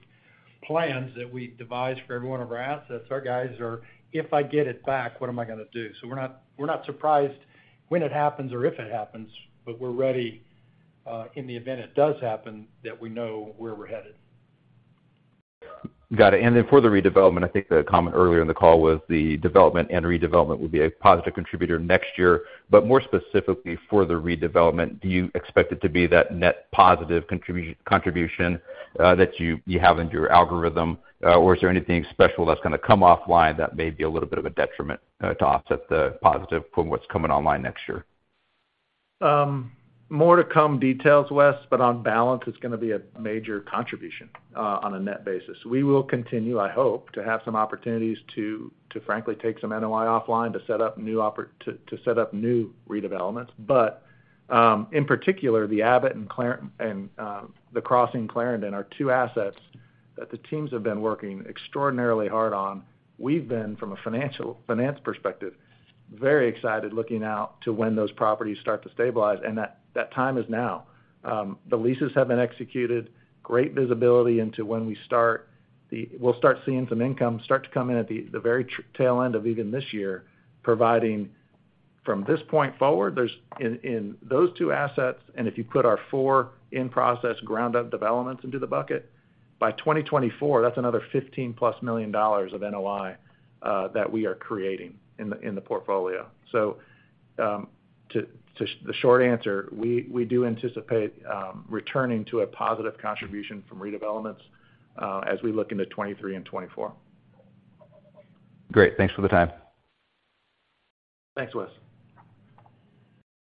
plans that we devise for every one of our assets. Our guys are, "If I get it back, what am I gonna do?" We're not surprised when it happens or if it happens, but we're ready in the event it does happen, that we know where we're headed. Got it. Then for the redevelopment, I think the comment earlier in the call was the development and redevelopment will be a positive contributor next year. More specifically for the redevelopment, do you expect it to be that net positive contribution that you have in your algorithm? Or is there anything special that's gonna come offline that may be a little bit of a detriment to offset the positive from what's coming online next year? More to come details, Wes, but on balance, it's gonna be a major contribution on a net basis. We will continue, I hope, to have some opportunities to frankly take some NOI offline to set up new redevelopments. In particular, the Abbot and the Crossing Clarendon are two assets that the teams have been working extraordinarily hard on. We've been from a finance perspective very excited looking out to when those properties start to stabilize, and that time is now. The leases have been executed. Great visibility into when we start. We'll start seeing some income start to come in at the very tail end of even this year, providing from this point forward, there's. In those two assets, and if you put our 4 in-process ground-up developments into the bucket, by 2024, that's another $15+ million of NOI that we are creating in the portfolio. The short answer, we do anticipate returning to a positive contribution from redevelopments as we look into 2023 and 2024. Great. Thanks for the time. Thanks, Wes.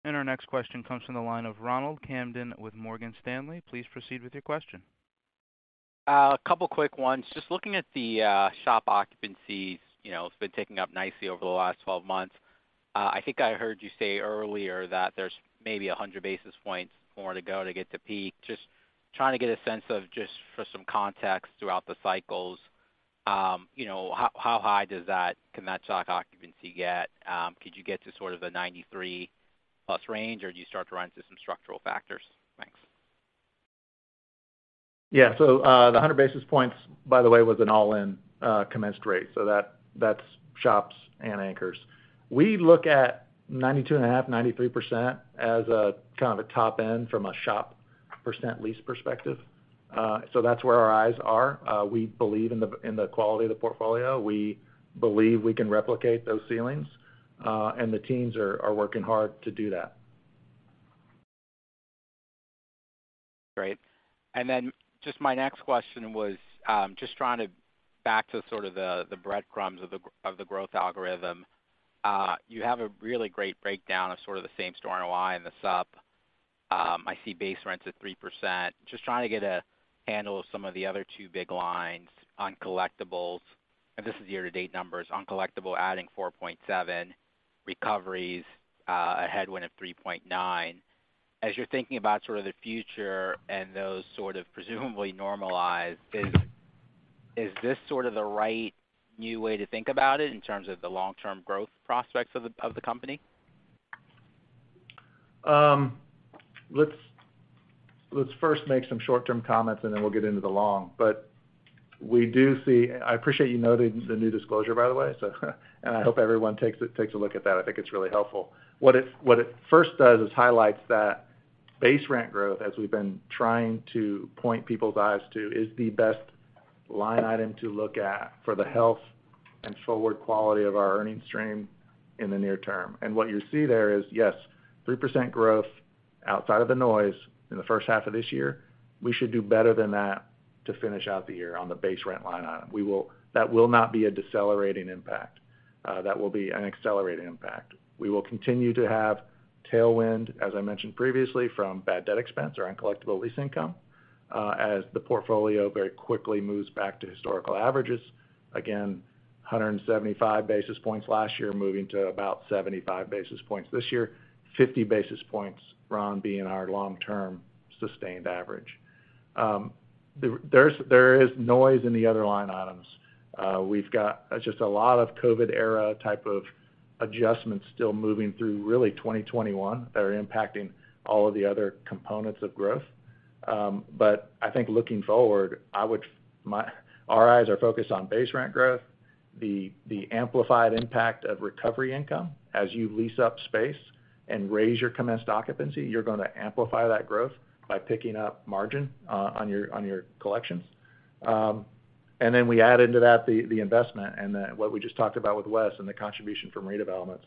Our next question comes from the line of Ronald Kamdem with Morgan Stanley. Please proceed with your question. A couple quick ones. Just looking at the shop occupancies. You know, it's been ticking up nicely over the last 12 months. I think I heard you say earlier that there's maybe 100 basis points more to go to get to peak. Just trying to get a sense of just for some context throughout the cycles, you know, how high can that shop occupancy get? Could you get to sort of the 93-plus range, or do you start to run into some structural factors? Thanks. Yeah. The 100 basis points, by the way, was an all-in commenced rate. That's shops and anchors. We look at 92.5%-93% as a kind of a top end from a shop percent lease perspective. That's where our eyes are. We believe in the quality of the portfolio. We believe we can replicate those ceilings, and the teams are working hard to do that. Great. Just my next question was just trying to back to sort of the breadcrumbs of the growth algorithm. You have a really great breakdown of sort of the same store NOI and the SUP. I see base rents at 3%. Just trying to get a handle of some of the other two big lines on collectibles, and this is year-to-date numbers. On collectible, adding 4.7%, recoveries, a headwind of 3.9%. As you're thinking about sort of the future and those sort of presumably normalized, is this sort of the right new way to think about it in terms of the long-term growth prospects of the company? Let's first make some short-term comments, and then we'll get into the long. I appreciate you noting the new disclosure, by the way. I hope everyone takes a look at that. I think it's really helpful. What it first does is highlights that base rent growth, as we've been trying to point people's eyes to, is the best line item to look at for the health and forward quality of our earnings stream in the near term. What you see there is, yes, 3% growth outside of the noise in the first half of this year. We should do better than that to finish out the year on the base rent line item. That will not be a decelerating impact. That will be an accelerating impact. We will continue to have tailwind, as I mentioned previously, from bad debt expense or uncollectible lease income, as the portfolio very quickly moves back to historical averages. Again, 175 basis points last year, moving to about 75 basis points this year. 50 basis points, Ron, being our long-term sustained average. There is noise in the other line items. We've got just a lot of COVID era type of adjustments still moving through really 2021 that are impacting all of the other components of growth. I think looking forward, our eyes are focused on base rent growth, the amplified impact of recovery income. As you lease up space and raise your commenced occupancy, you're gonna amplify that growth by picking up margin, on your collections. We add into that the investment and what we just talked about with Wes and the contribution from redevelopments.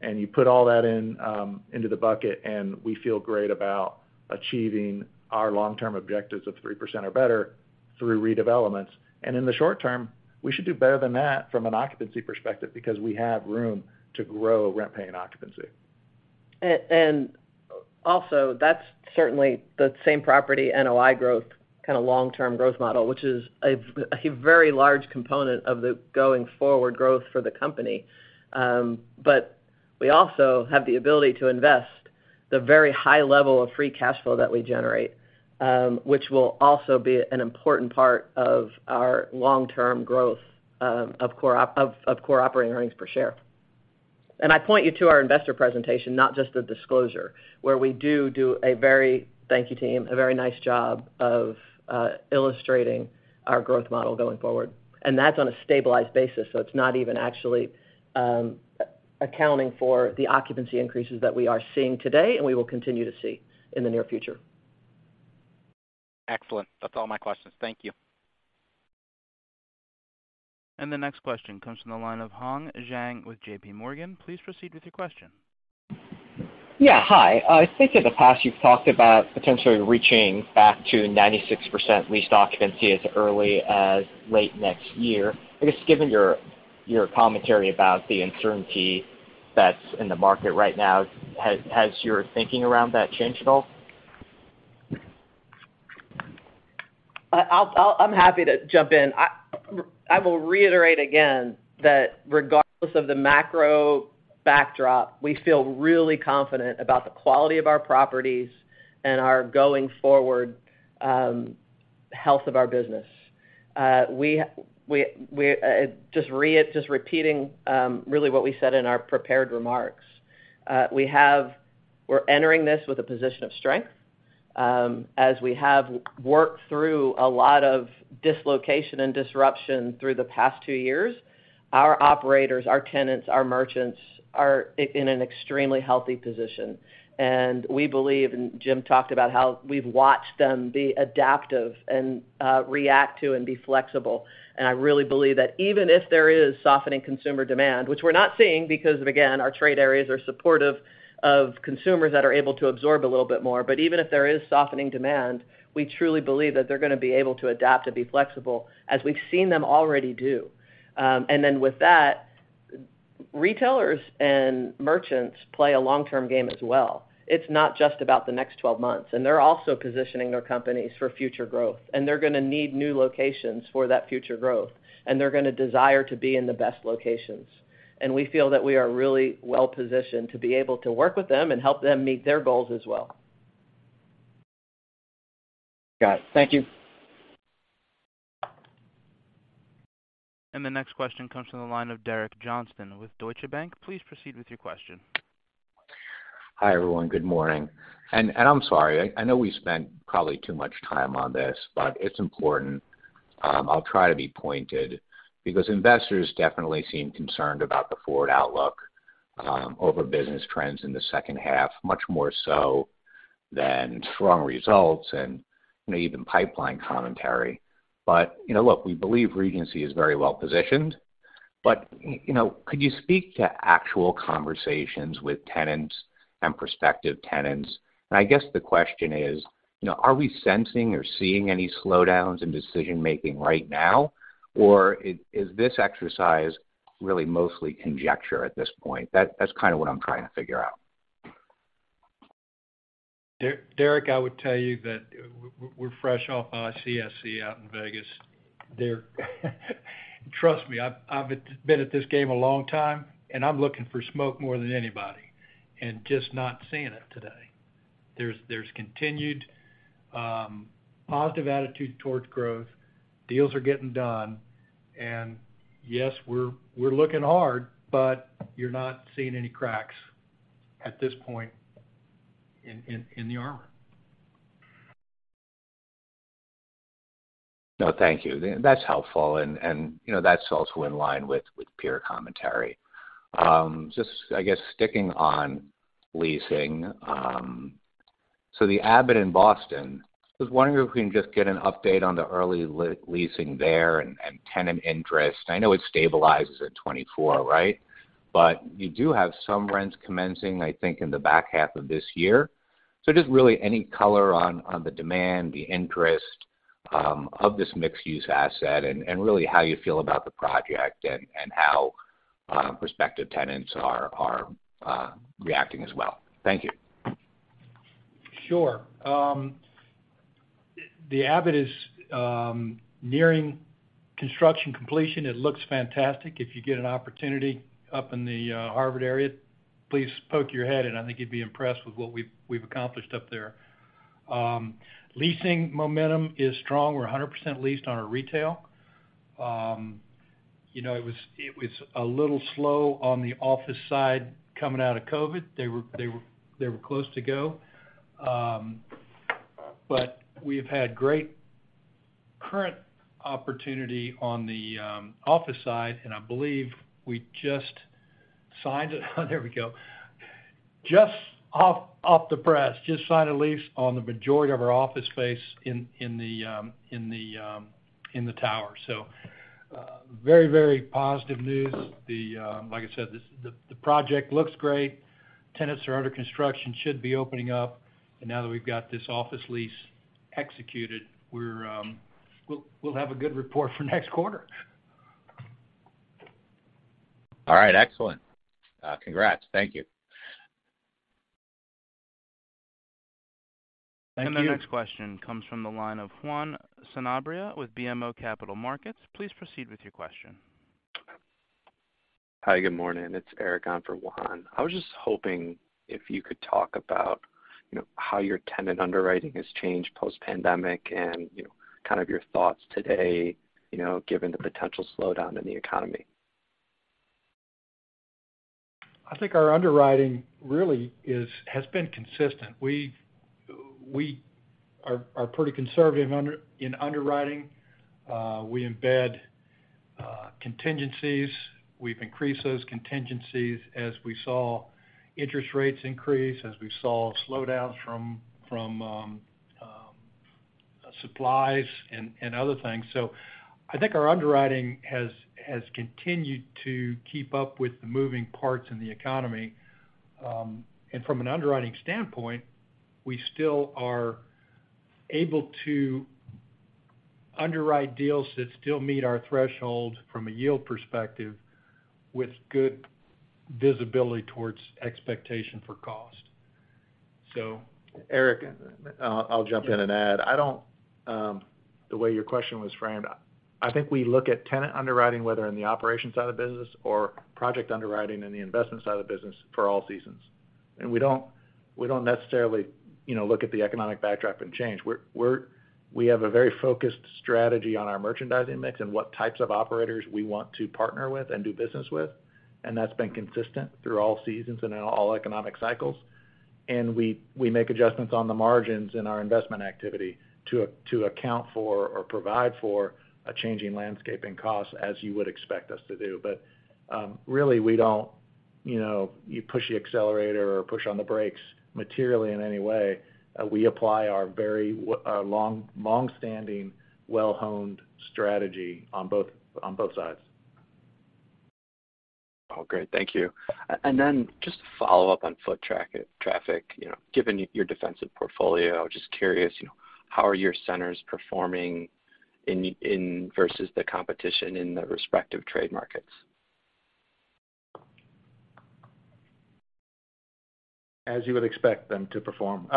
You put all that into the bucket, and we feel great about achieving our long-term objectives of 3% or better through redevelopments. In the short term, we should do better than that from an occupancy perspective because we have room to grow rent-paying occupancy. Also, that's certainly the same property NOI growth, kind of long-term growth model, which is a very large component of the going forward growth for the company. But we also have the ability to invest the very high level of free cash flow that we generate, which will also be an important part of our long-term growth of core operating earnings per share. I point you to our investor presentation, not just the disclosure, where we do a very, thank you, team, a very nice job of illustrating our growth model going forward. That's on a stabilized basis, so it's not even actually accounting for the occupancy increases that we are seeing today and we will continue to see in the near future. Excellent. That's all my questions. Thank you. The next question comes from the line of Han Jing with JPMorgan. Please proceed with your question. Yeah. Hi. I think in the past you've talked about potentially reaching back to 96% leased occupancy as early as late next year. I guess given your- Your commentary about the uncertainty that's in the market right now, has your thinking around that changed at all? I'm happy to jump in. I will reiterate again that regardless of the macro backdrop, we feel really confident about the quality of our properties and our going forward health of our business. Just repeating really what we said in our prepared remarks. We're entering this with a position of strength, as we have worked through a lot of dislocation and disruption through the past two years. Our operators, our tenants, our merchants are in an extremely healthy position. We believe, and Jim talked about how we've watched them be adaptive and react to and be flexible. I really believe that even if there is softening consumer demand, which we're not seeing because of, again, our trade areas are supportive of consumers that are able to absorb a little bit more. Even if there is softening demand, we truly believe that they're gonna be able to adapt and be flexible as we've seen them already do. Then with that, retailers and merchants play a long-term game as well. It's not just about the next 12 months, and they're also positioning their companies for future growth. They're gonna need new locations for that future growth, and they're gonna desire to be in the best locations. We feel that we are really well-positioned to be able to work with them and help them meet their goals as well. Got it. Thank you. The next question comes from the line of Derek Johnston with Deutsche Bank. Please proceed with your question. Hi, everyone. Good morning. I'm sorry, I know we spent probably too much time on this, but it's important. I'll try to be pointed because investors definitely seem concerned about the forward outlook over business trends in the second half, much more so than strong results and maybe even pipeline commentary. You know, look, we believe Regency is very well positioned, you know, could you speak to actual conversations with tenants and prospective tenants? I guess the question is, you know, are we sensing or seeing any slowdowns in decision-making right now, or is this exercise really mostly conjecture at this point? That's kind of what I'm trying to figure out. Derek, I would tell you that we're fresh off ICSC out in Vegas. Trust me, I've been at this game a long time, and I'm looking for smoke more than anybody and just not seeing it today. There's continued positive attitude towards growth. Deals are getting done. Yes, we're looking hard, but you're not seeing any cracks at this point in the armor. No, thank you. That's helpful, you know, that's also in line with peer commentary. Just, I guess, sticking on leasing, the Abbot in Boston, just wondering if we can just get an update on the early leasing there and tenant interest. I know it stabilizes at 24, right? But you do have some rents commencing, I think, in the back half of this year. Just really any color on the demand, the interest, of this mixed-use asset and really how you feel about the project and how prospective tenants are reacting as well. Thank you. Sure. The Abbot is nearing construction completion. It looks fantastic. If you get an opportunity up in the Harvard area, please poke your head in. I think you'd be impressed with what we've accomplished up there. Leasing momentum is strong. We're 100% leased on our retail. You know, it was a little slow on the office side coming out of COVID. They were close to go. But we've had great tenant opportunity on the office side, and I believe we just signed it. There we go. Just off the press, just signed a lease on the majority of our office space in the tower. Very positive news. Like I said, the project looks great. Tenants are under construction, should be opening up. Now that we've got this office lease executed, we'll have a good report for next quarter. All right, excellent. Congrats. Thank you. Thank you. The next question comes from the line of Juan Sanabria with BMO Capital Markets. Please proceed with your question. Hi, good morning. It's Eric on for Juan. I was just hoping if you could talk about, you know, how your tenant underwriting has changed post-pandemic and, you know, kind of your thoughts today, you know, given the potential slowdown in the economy? I think our underwriting really has been consistent. We are pretty conservative in underwriting. We embed contingencies. We've increased those contingencies as we saw interest rates increase, as we saw slowdowns from supplies and other things. I think our underwriting has continued to keep up with the moving parts in the economy. From an underwriting standpoint, we still are able to underwrite deals that still meet our threshold from a yield perspective with good visibility towards expectation for cost. Eric, I'll jump in and add. I don't, the way your question was framed, I think we look at tenant underwriting, whether in the operations side of the business or project underwriting in the investment side of the business for all seasons. We don't necessarily, you know, look at the economic backdrop and change. We have a very focused strategy on our merchandising mix and what types of operators we want to partner with and do business with, and that's been consistent through all seasons and in all economic cycles. We make adjustments on the margins in our investment activity to account for or provide for a changing landscape in cost, as you would expect us to do. Really, we don't, you know, you push the accelerator or push on the brakes materially in any way. We apply our very long-standing, well-honed strategy on both sides. Oh, great. Thank you. Just to follow up on foot traffic, you know, given your defensive portfolio, just curious, you know, how are your centers performing in versus the competition in the respective trade markets? As you would expect them to perform.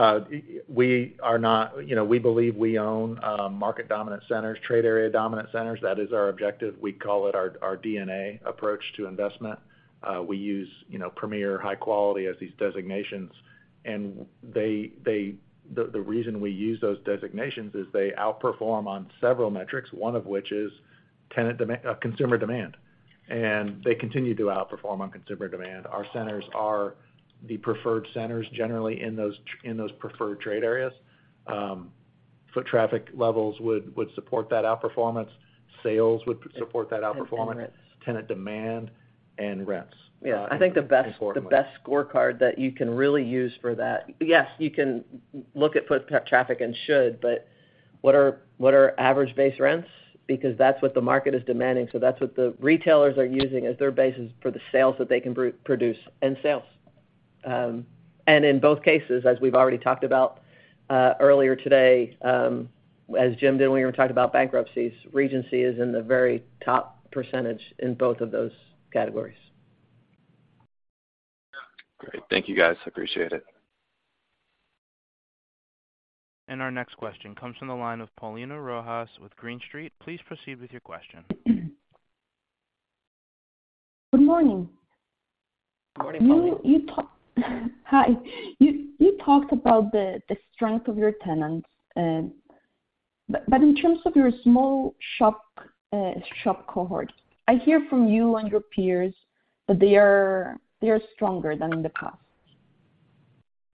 We are not, you know, we believe we own market dominant centers, trade area dominant centers. That is our objective. We call it our DNA approach to investment. We use, you know, premier high quality as these designations. They. The reason we use those designations is they outperform on several metrics, one of which is tenant demand, consumer demand, and they continue to outperform on consumer demand. Our centers are the preferred centers, generally in those preferred trade areas. Foot traffic levels would support that outperformance. Sales would support that outperformance. Tenant demand. Tenant demand and rents. Yeah. I think the best. Importantly. The best scorecard that you can really use for that. Yes, you can look at foot traffic and should, but what are average base rents? Because that's what the market is demanding, so that's what the retailers are using as their basis for the sales that they can produce and sales. In both cases, as we've already talked about, earlier today, as Jim Thompson when we talked about bankruptcies, Regency is in the very top % in both of those categories. Great. Thank you, guys. Appreciate it. Our next question comes from the line of Paulina Rojas with Green Street. Please proceed with your question. Good morning. Good morning, Paulina. You talked about the strength of your tenants, but in terms of your small shop cohort, I hear from you and your peers that they are stronger than in the past.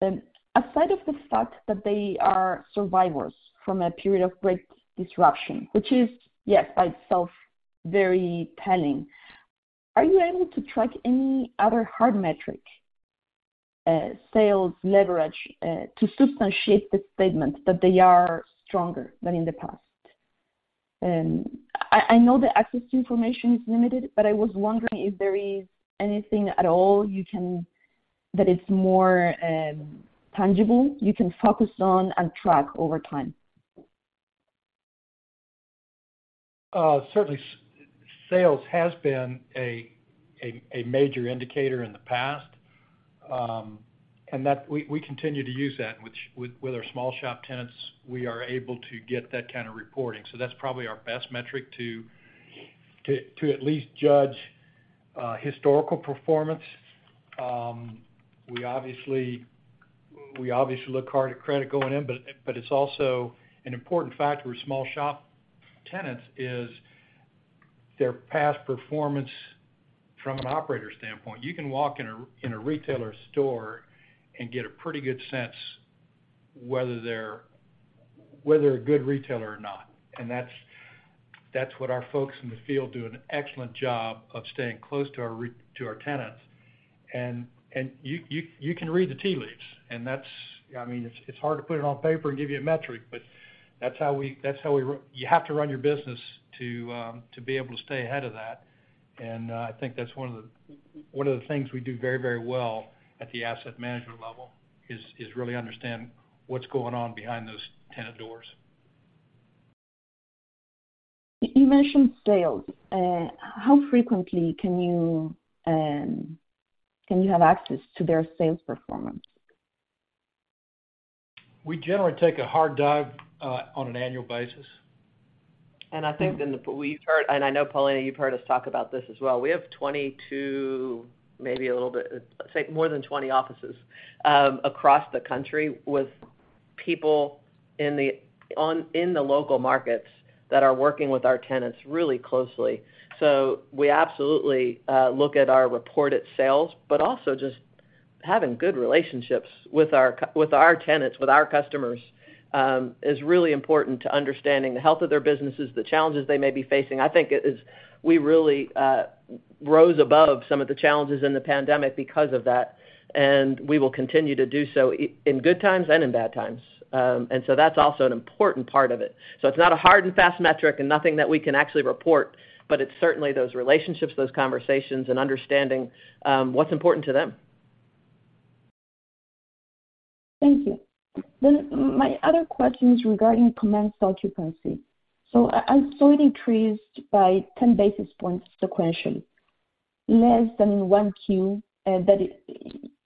Aside from the fact that they are survivors from a period of great disruption, which is, yes, by itself very telling, are you able to track any other hard metric, sales leverage, to substantiate the statement that they are stronger than in the past? I know the access to information is limited, but I was wondering if there is anything at all that is more tangible you can focus on and track over time. Certainly sales has been a major indicator in the past, and that we continue to use that, which with our small shop tenants, we are able to get that kind of reporting. That's probably our best metric to at least judge historical performance. We obviously look hard at credit going in, but it's also an important factor with small shop tenants is their past performance from an operator standpoint. You can walk in a retailer store and get a pretty good sense whether they're a good retailer or not, and that's what our folks in the field do an excellent job of staying close to our tenants. You can read the tea leaves, and that's. I mean, it's hard to put it on paper and give you a metric, but that's how we you have to run your business to be able to stay ahead of that. I think that's one of the things we do very, very well at the asset management level is really understand what's going on behind those tenant doors. You mentioned sales. How frequently can you have access to their sales performance? We generally take a deep dive on an annual basis. I think then we've heard, and I know, Paulina, you've heard us talk about this as well. We have 22, maybe a little bit, say more than 20 offices, across the country with people in the local markets that are working with our tenants really closely. We absolutely look at our reported sales, but also just having good relationships with our tenants, with our customers, is really important to understanding the health of their businesses, the challenges they may be facing. I think it is, we really rose above some of the challenges in the pandemic because of that, and we will continue to do so in good times and in bad times. That's also an important part of it. It's not a hard and fast metric and nothing that we can actually report, but it's certainly those relationships, those conversations, and understanding, what's important to them. Thank you. My other question is regarding commenced occupancy. I saw it increased by 10 basis points sequentially, less than 1Q,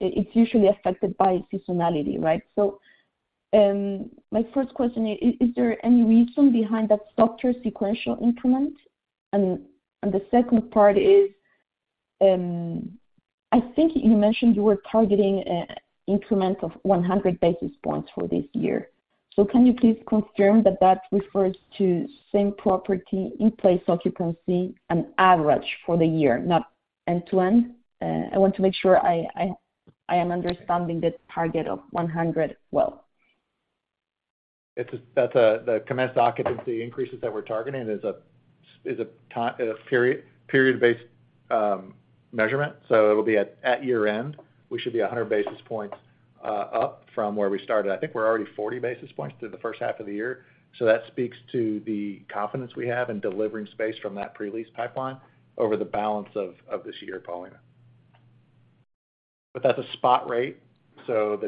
it's usually affected by seasonality, right? My first question is there any reason behind that softer sequential increment? The second part is, I think you mentioned you were targeting a increment of 100 basis points for this year. Can you please confirm that that refers to same-property in-place occupancy on average for the year, not end-to-end? I want to make sure I am understanding the target of 100 well. The commenced occupancy increases that we're targeting is a period-based measurement, so it'll be at year-end. We should be 100 basis points up from where we started. I think we're already 40 basis points through the first half of the year. That speaks to the confidence we have in delivering space from that pre-lease pipeline over the balance of this year, Paulina. But that's a spot rate, so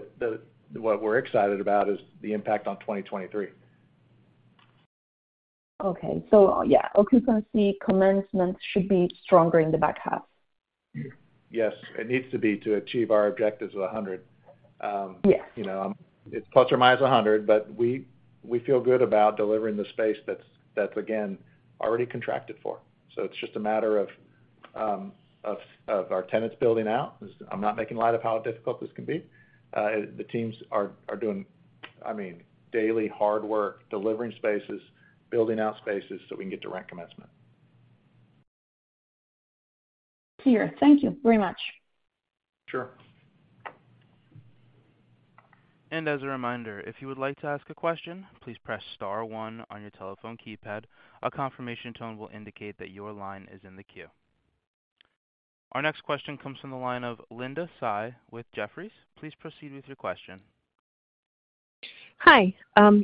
what we're excited about is the impact on 2023. Yeah, occupancy commencement should be stronger in the back half. Yes. It needs to be to achieve our objectives of 100. Yes. You know, it's ±100, but we feel good about delivering the space that's, again, already contracted for. It's just a matter of our tenants building out. This is. I'm not making light of how difficult this can be. The teams are doing, I mean, daily hard work delivering spaces, building out spaces, so we can get to rent commencement. Clear. Thank you very much. Sure. As a reminder, if you would like to ask a question, please press star one on your telephone keypad. A confirmation tone will indicate that your line is in the queue. Our next question comes from the line of Linda Tsai with Jefferies. Please proceed with your question. Hi.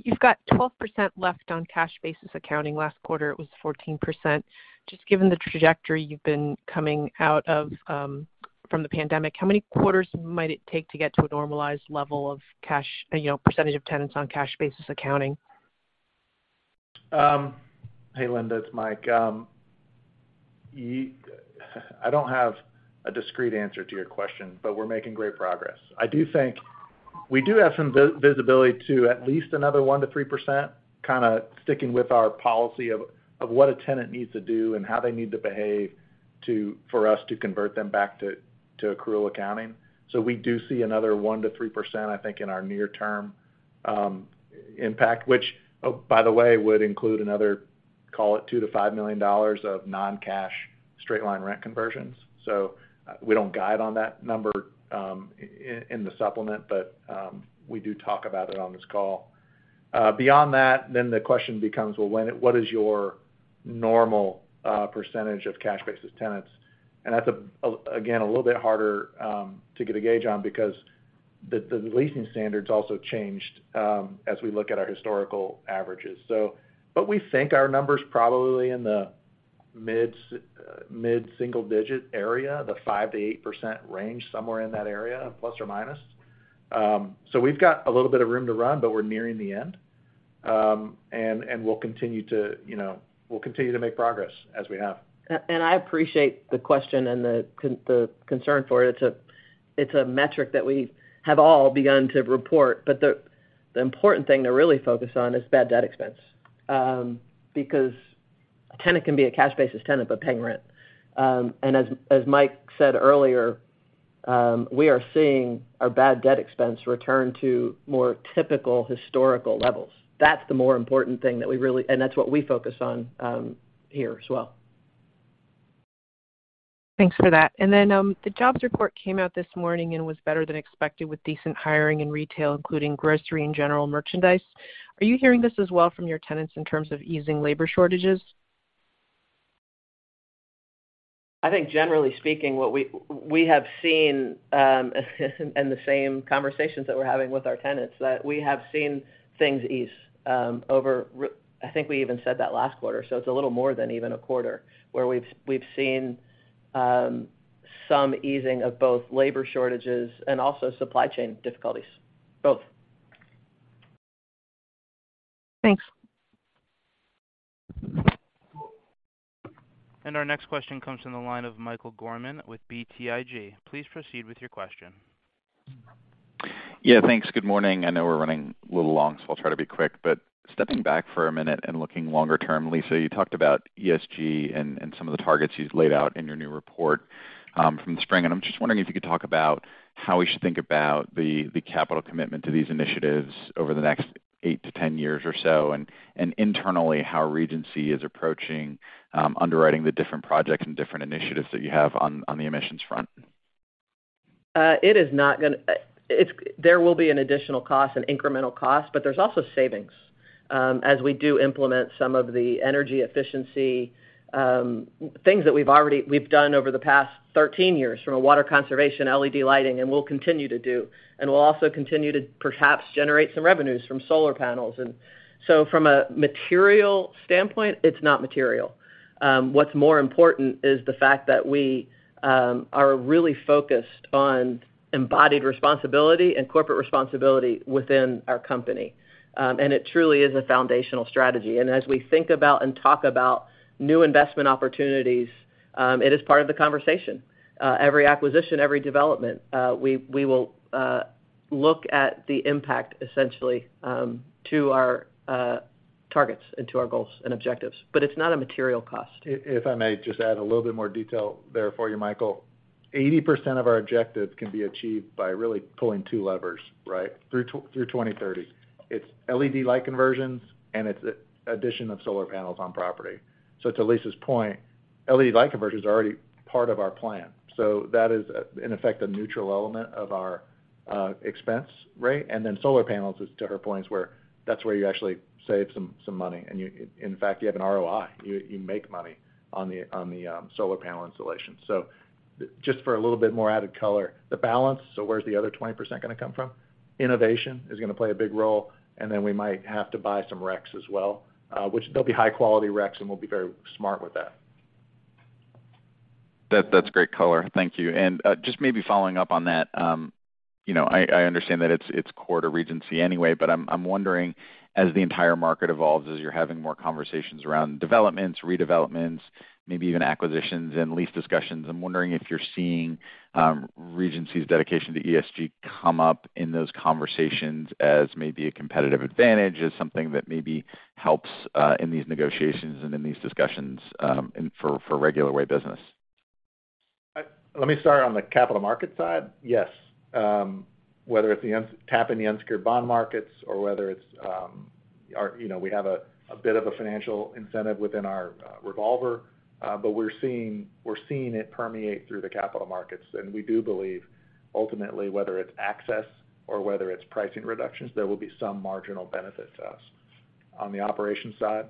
You've got 12% left on cash basis accounting. Last quarter, it was 14%. Just given the trajectory you've been coming out of from the pandemic, how many quarters might it take to get to a normalized level of cash, you know, % of tenants on cash basis accounting? Hey, Linda, it's Mike. I don't have a discrete answer to your question, but we're making great progress. I do think we do have some visibility to at least another 1%-3%, kinda sticking with our policy of what a tenant needs to do and how they need to behave to for us to convert them back to accrual accounting. We do see another 1%-3%, I think, in our near term impact, which, oh, by the way, would include another, call it $2 million-$5 million of non-cash straight-line rent conversions. We don't guide on that number in the supplement, but we do talk about it on this call. Beyond that, the question becomes, well, what is your normal % of cash basis tenants? That's a little bit harder to get a gauge on because the leasing standards also changed as we look at our historical averages. We think our number's probably in the mid-single-digit area, the 5%-8% range, somewhere in that area ±. We've got a little bit of room to run, but we're nearing the end. We'll continue to, you know, make progress as we have. I appreciate the question and the concern for it. It's a metric that we have all begun to report, but the important thing to really focus on is bad debt expense, because a tenant can be a cash basis tenant, but paying rent. As Mike said earlier, we are seeing our bad debt expense return to more typical historical levels. That's the more important thing. That's what we focus on here as well. Thanks for that. The jobs report came out this morning and was better than expected with decent hiring in retail, including grocery and general merchandise. Are you hearing this as well from your tenants in terms of easing labor shortages? I think generally speaking, what we have seen, and the same conversations that we're having with our tenants, that we have seen things ease. I think we even said that last quarter, so it's a little more than even a quarter, where we've seen some easing of both labor shortages and also supply chain difficulties, both. Thanks. Our next question comes from the line of Michael Gorman with BTIG. Please proceed with your question. Yeah, thanks. Good morning. I know we're running a little long, so I'll try to be quick. Stepping back for a minute and looking longer term, Lisa, you talked about ESG and some of the targets you've laid out in your new report from the spring. I'm just wondering if you could talk about how we should think about the capital commitment to these initiatives over the next 8-10 years or so, and internally, how Regency is approaching underwriting the different projects and different initiatives that you have on the emissions front. There will be an additional cost, an incremental cost, but there's also savings, as we do implement some of the energy efficiency things that we've done over the past 13 years, from water conservation, LED lighting, and will continue to do. We'll also continue to perhaps generate some revenues from solar panels. From a material standpoint, it's not material. What's more important is the fact that we are really focused on environmental responsibility and corporate responsibility within our company. It truly is a foundational strategy. As we think about and talk about new investment opportunities, it is part of the conversation. Every acquisition, every development, we will look at the impact, essentially, to our targets and to our goals and objectives. It's not a material cost. If I may just add a little bit more detail there for you, Michael. 80% of our objectives can be achieved by really pulling two levers, right, through 2030. It's LED light conversions, and it's the addition of solar panels on property. To Lisa's point, LED light conversion is already part of our plan. That is, in effect, a neutral element of our expense rate. Solar panels, to her point, is where you actually save some money. In fact, you have an ROI. You make money on the solar panel installation. Just for a little bit more added color. The balance, so where's the other 20% gonna come from? Innovation is gonna play a big role, and then we might have to buy some RECs as well, which they'll be high-quality RECs, and we'll be very smart with that. That's great color. Thank you. Just maybe following up on that, you know, I understand that it's core to Regency anyway, but I'm wondering as the entire market evolves, as you're having more conversations around developments, redevelopments, maybe even acquisitions and lease discussions, I'm wondering if you're seeing Regency's dedication to ESG come up in those conversations as maybe a competitive advantage, as something that maybe helps in these negotiations and in these discussions, for regular way business. Let me start on the capital market side. Yes. Whether it's tapping the unsecured bond markets or whether it's our, you know, we have a bit of a financial incentive within our revolver, but we're seeing it permeate through the capital markets. We do believe ultimately, whether it's access or whether it's pricing reductions, there will be some marginal benefit to us. On the operations side?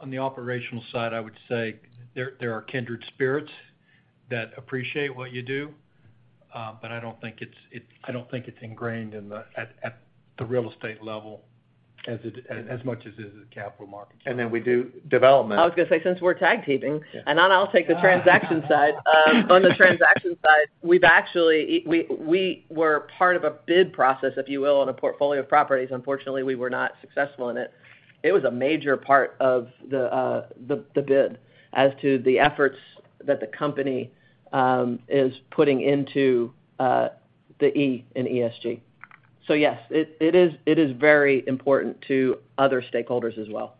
On the operational side, I would say there are kindred spirits that appreciate what you do, but I don't think it's ingrained at the real estate level as much as it is in capital markets. We do development. I was gonna say, since we're tag teaming, and then I'll take the transaction side. On the transaction side, we were part of a bid process, if you will, on a portfolio of properties. Unfortunately, we were not successful in it. It was a major part of the bid as to the efforts that the company is putting into the E in ESG. Yes, it is very important to other stakeholders as well.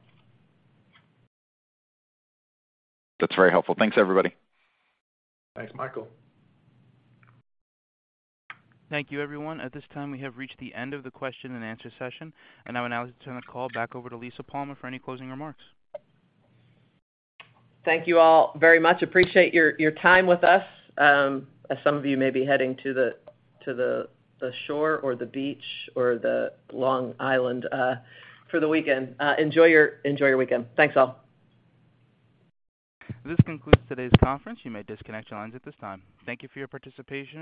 That's very helpful. Thanks, everybody. Thanks, Michael. Thank you, everyone. At this time, we have reached the end of the question-and-answer session. I will now turn the call back over to Lisa Palmer for any closing remarks. Thank you all very much. Appreciate your time with us. As some of you may be heading to the shore or the beach or Long Island for the weekend, enjoy your weekend. Thanks, all. This concludes today's conference. You may disconnect your lines at this time. Thank you for your participation.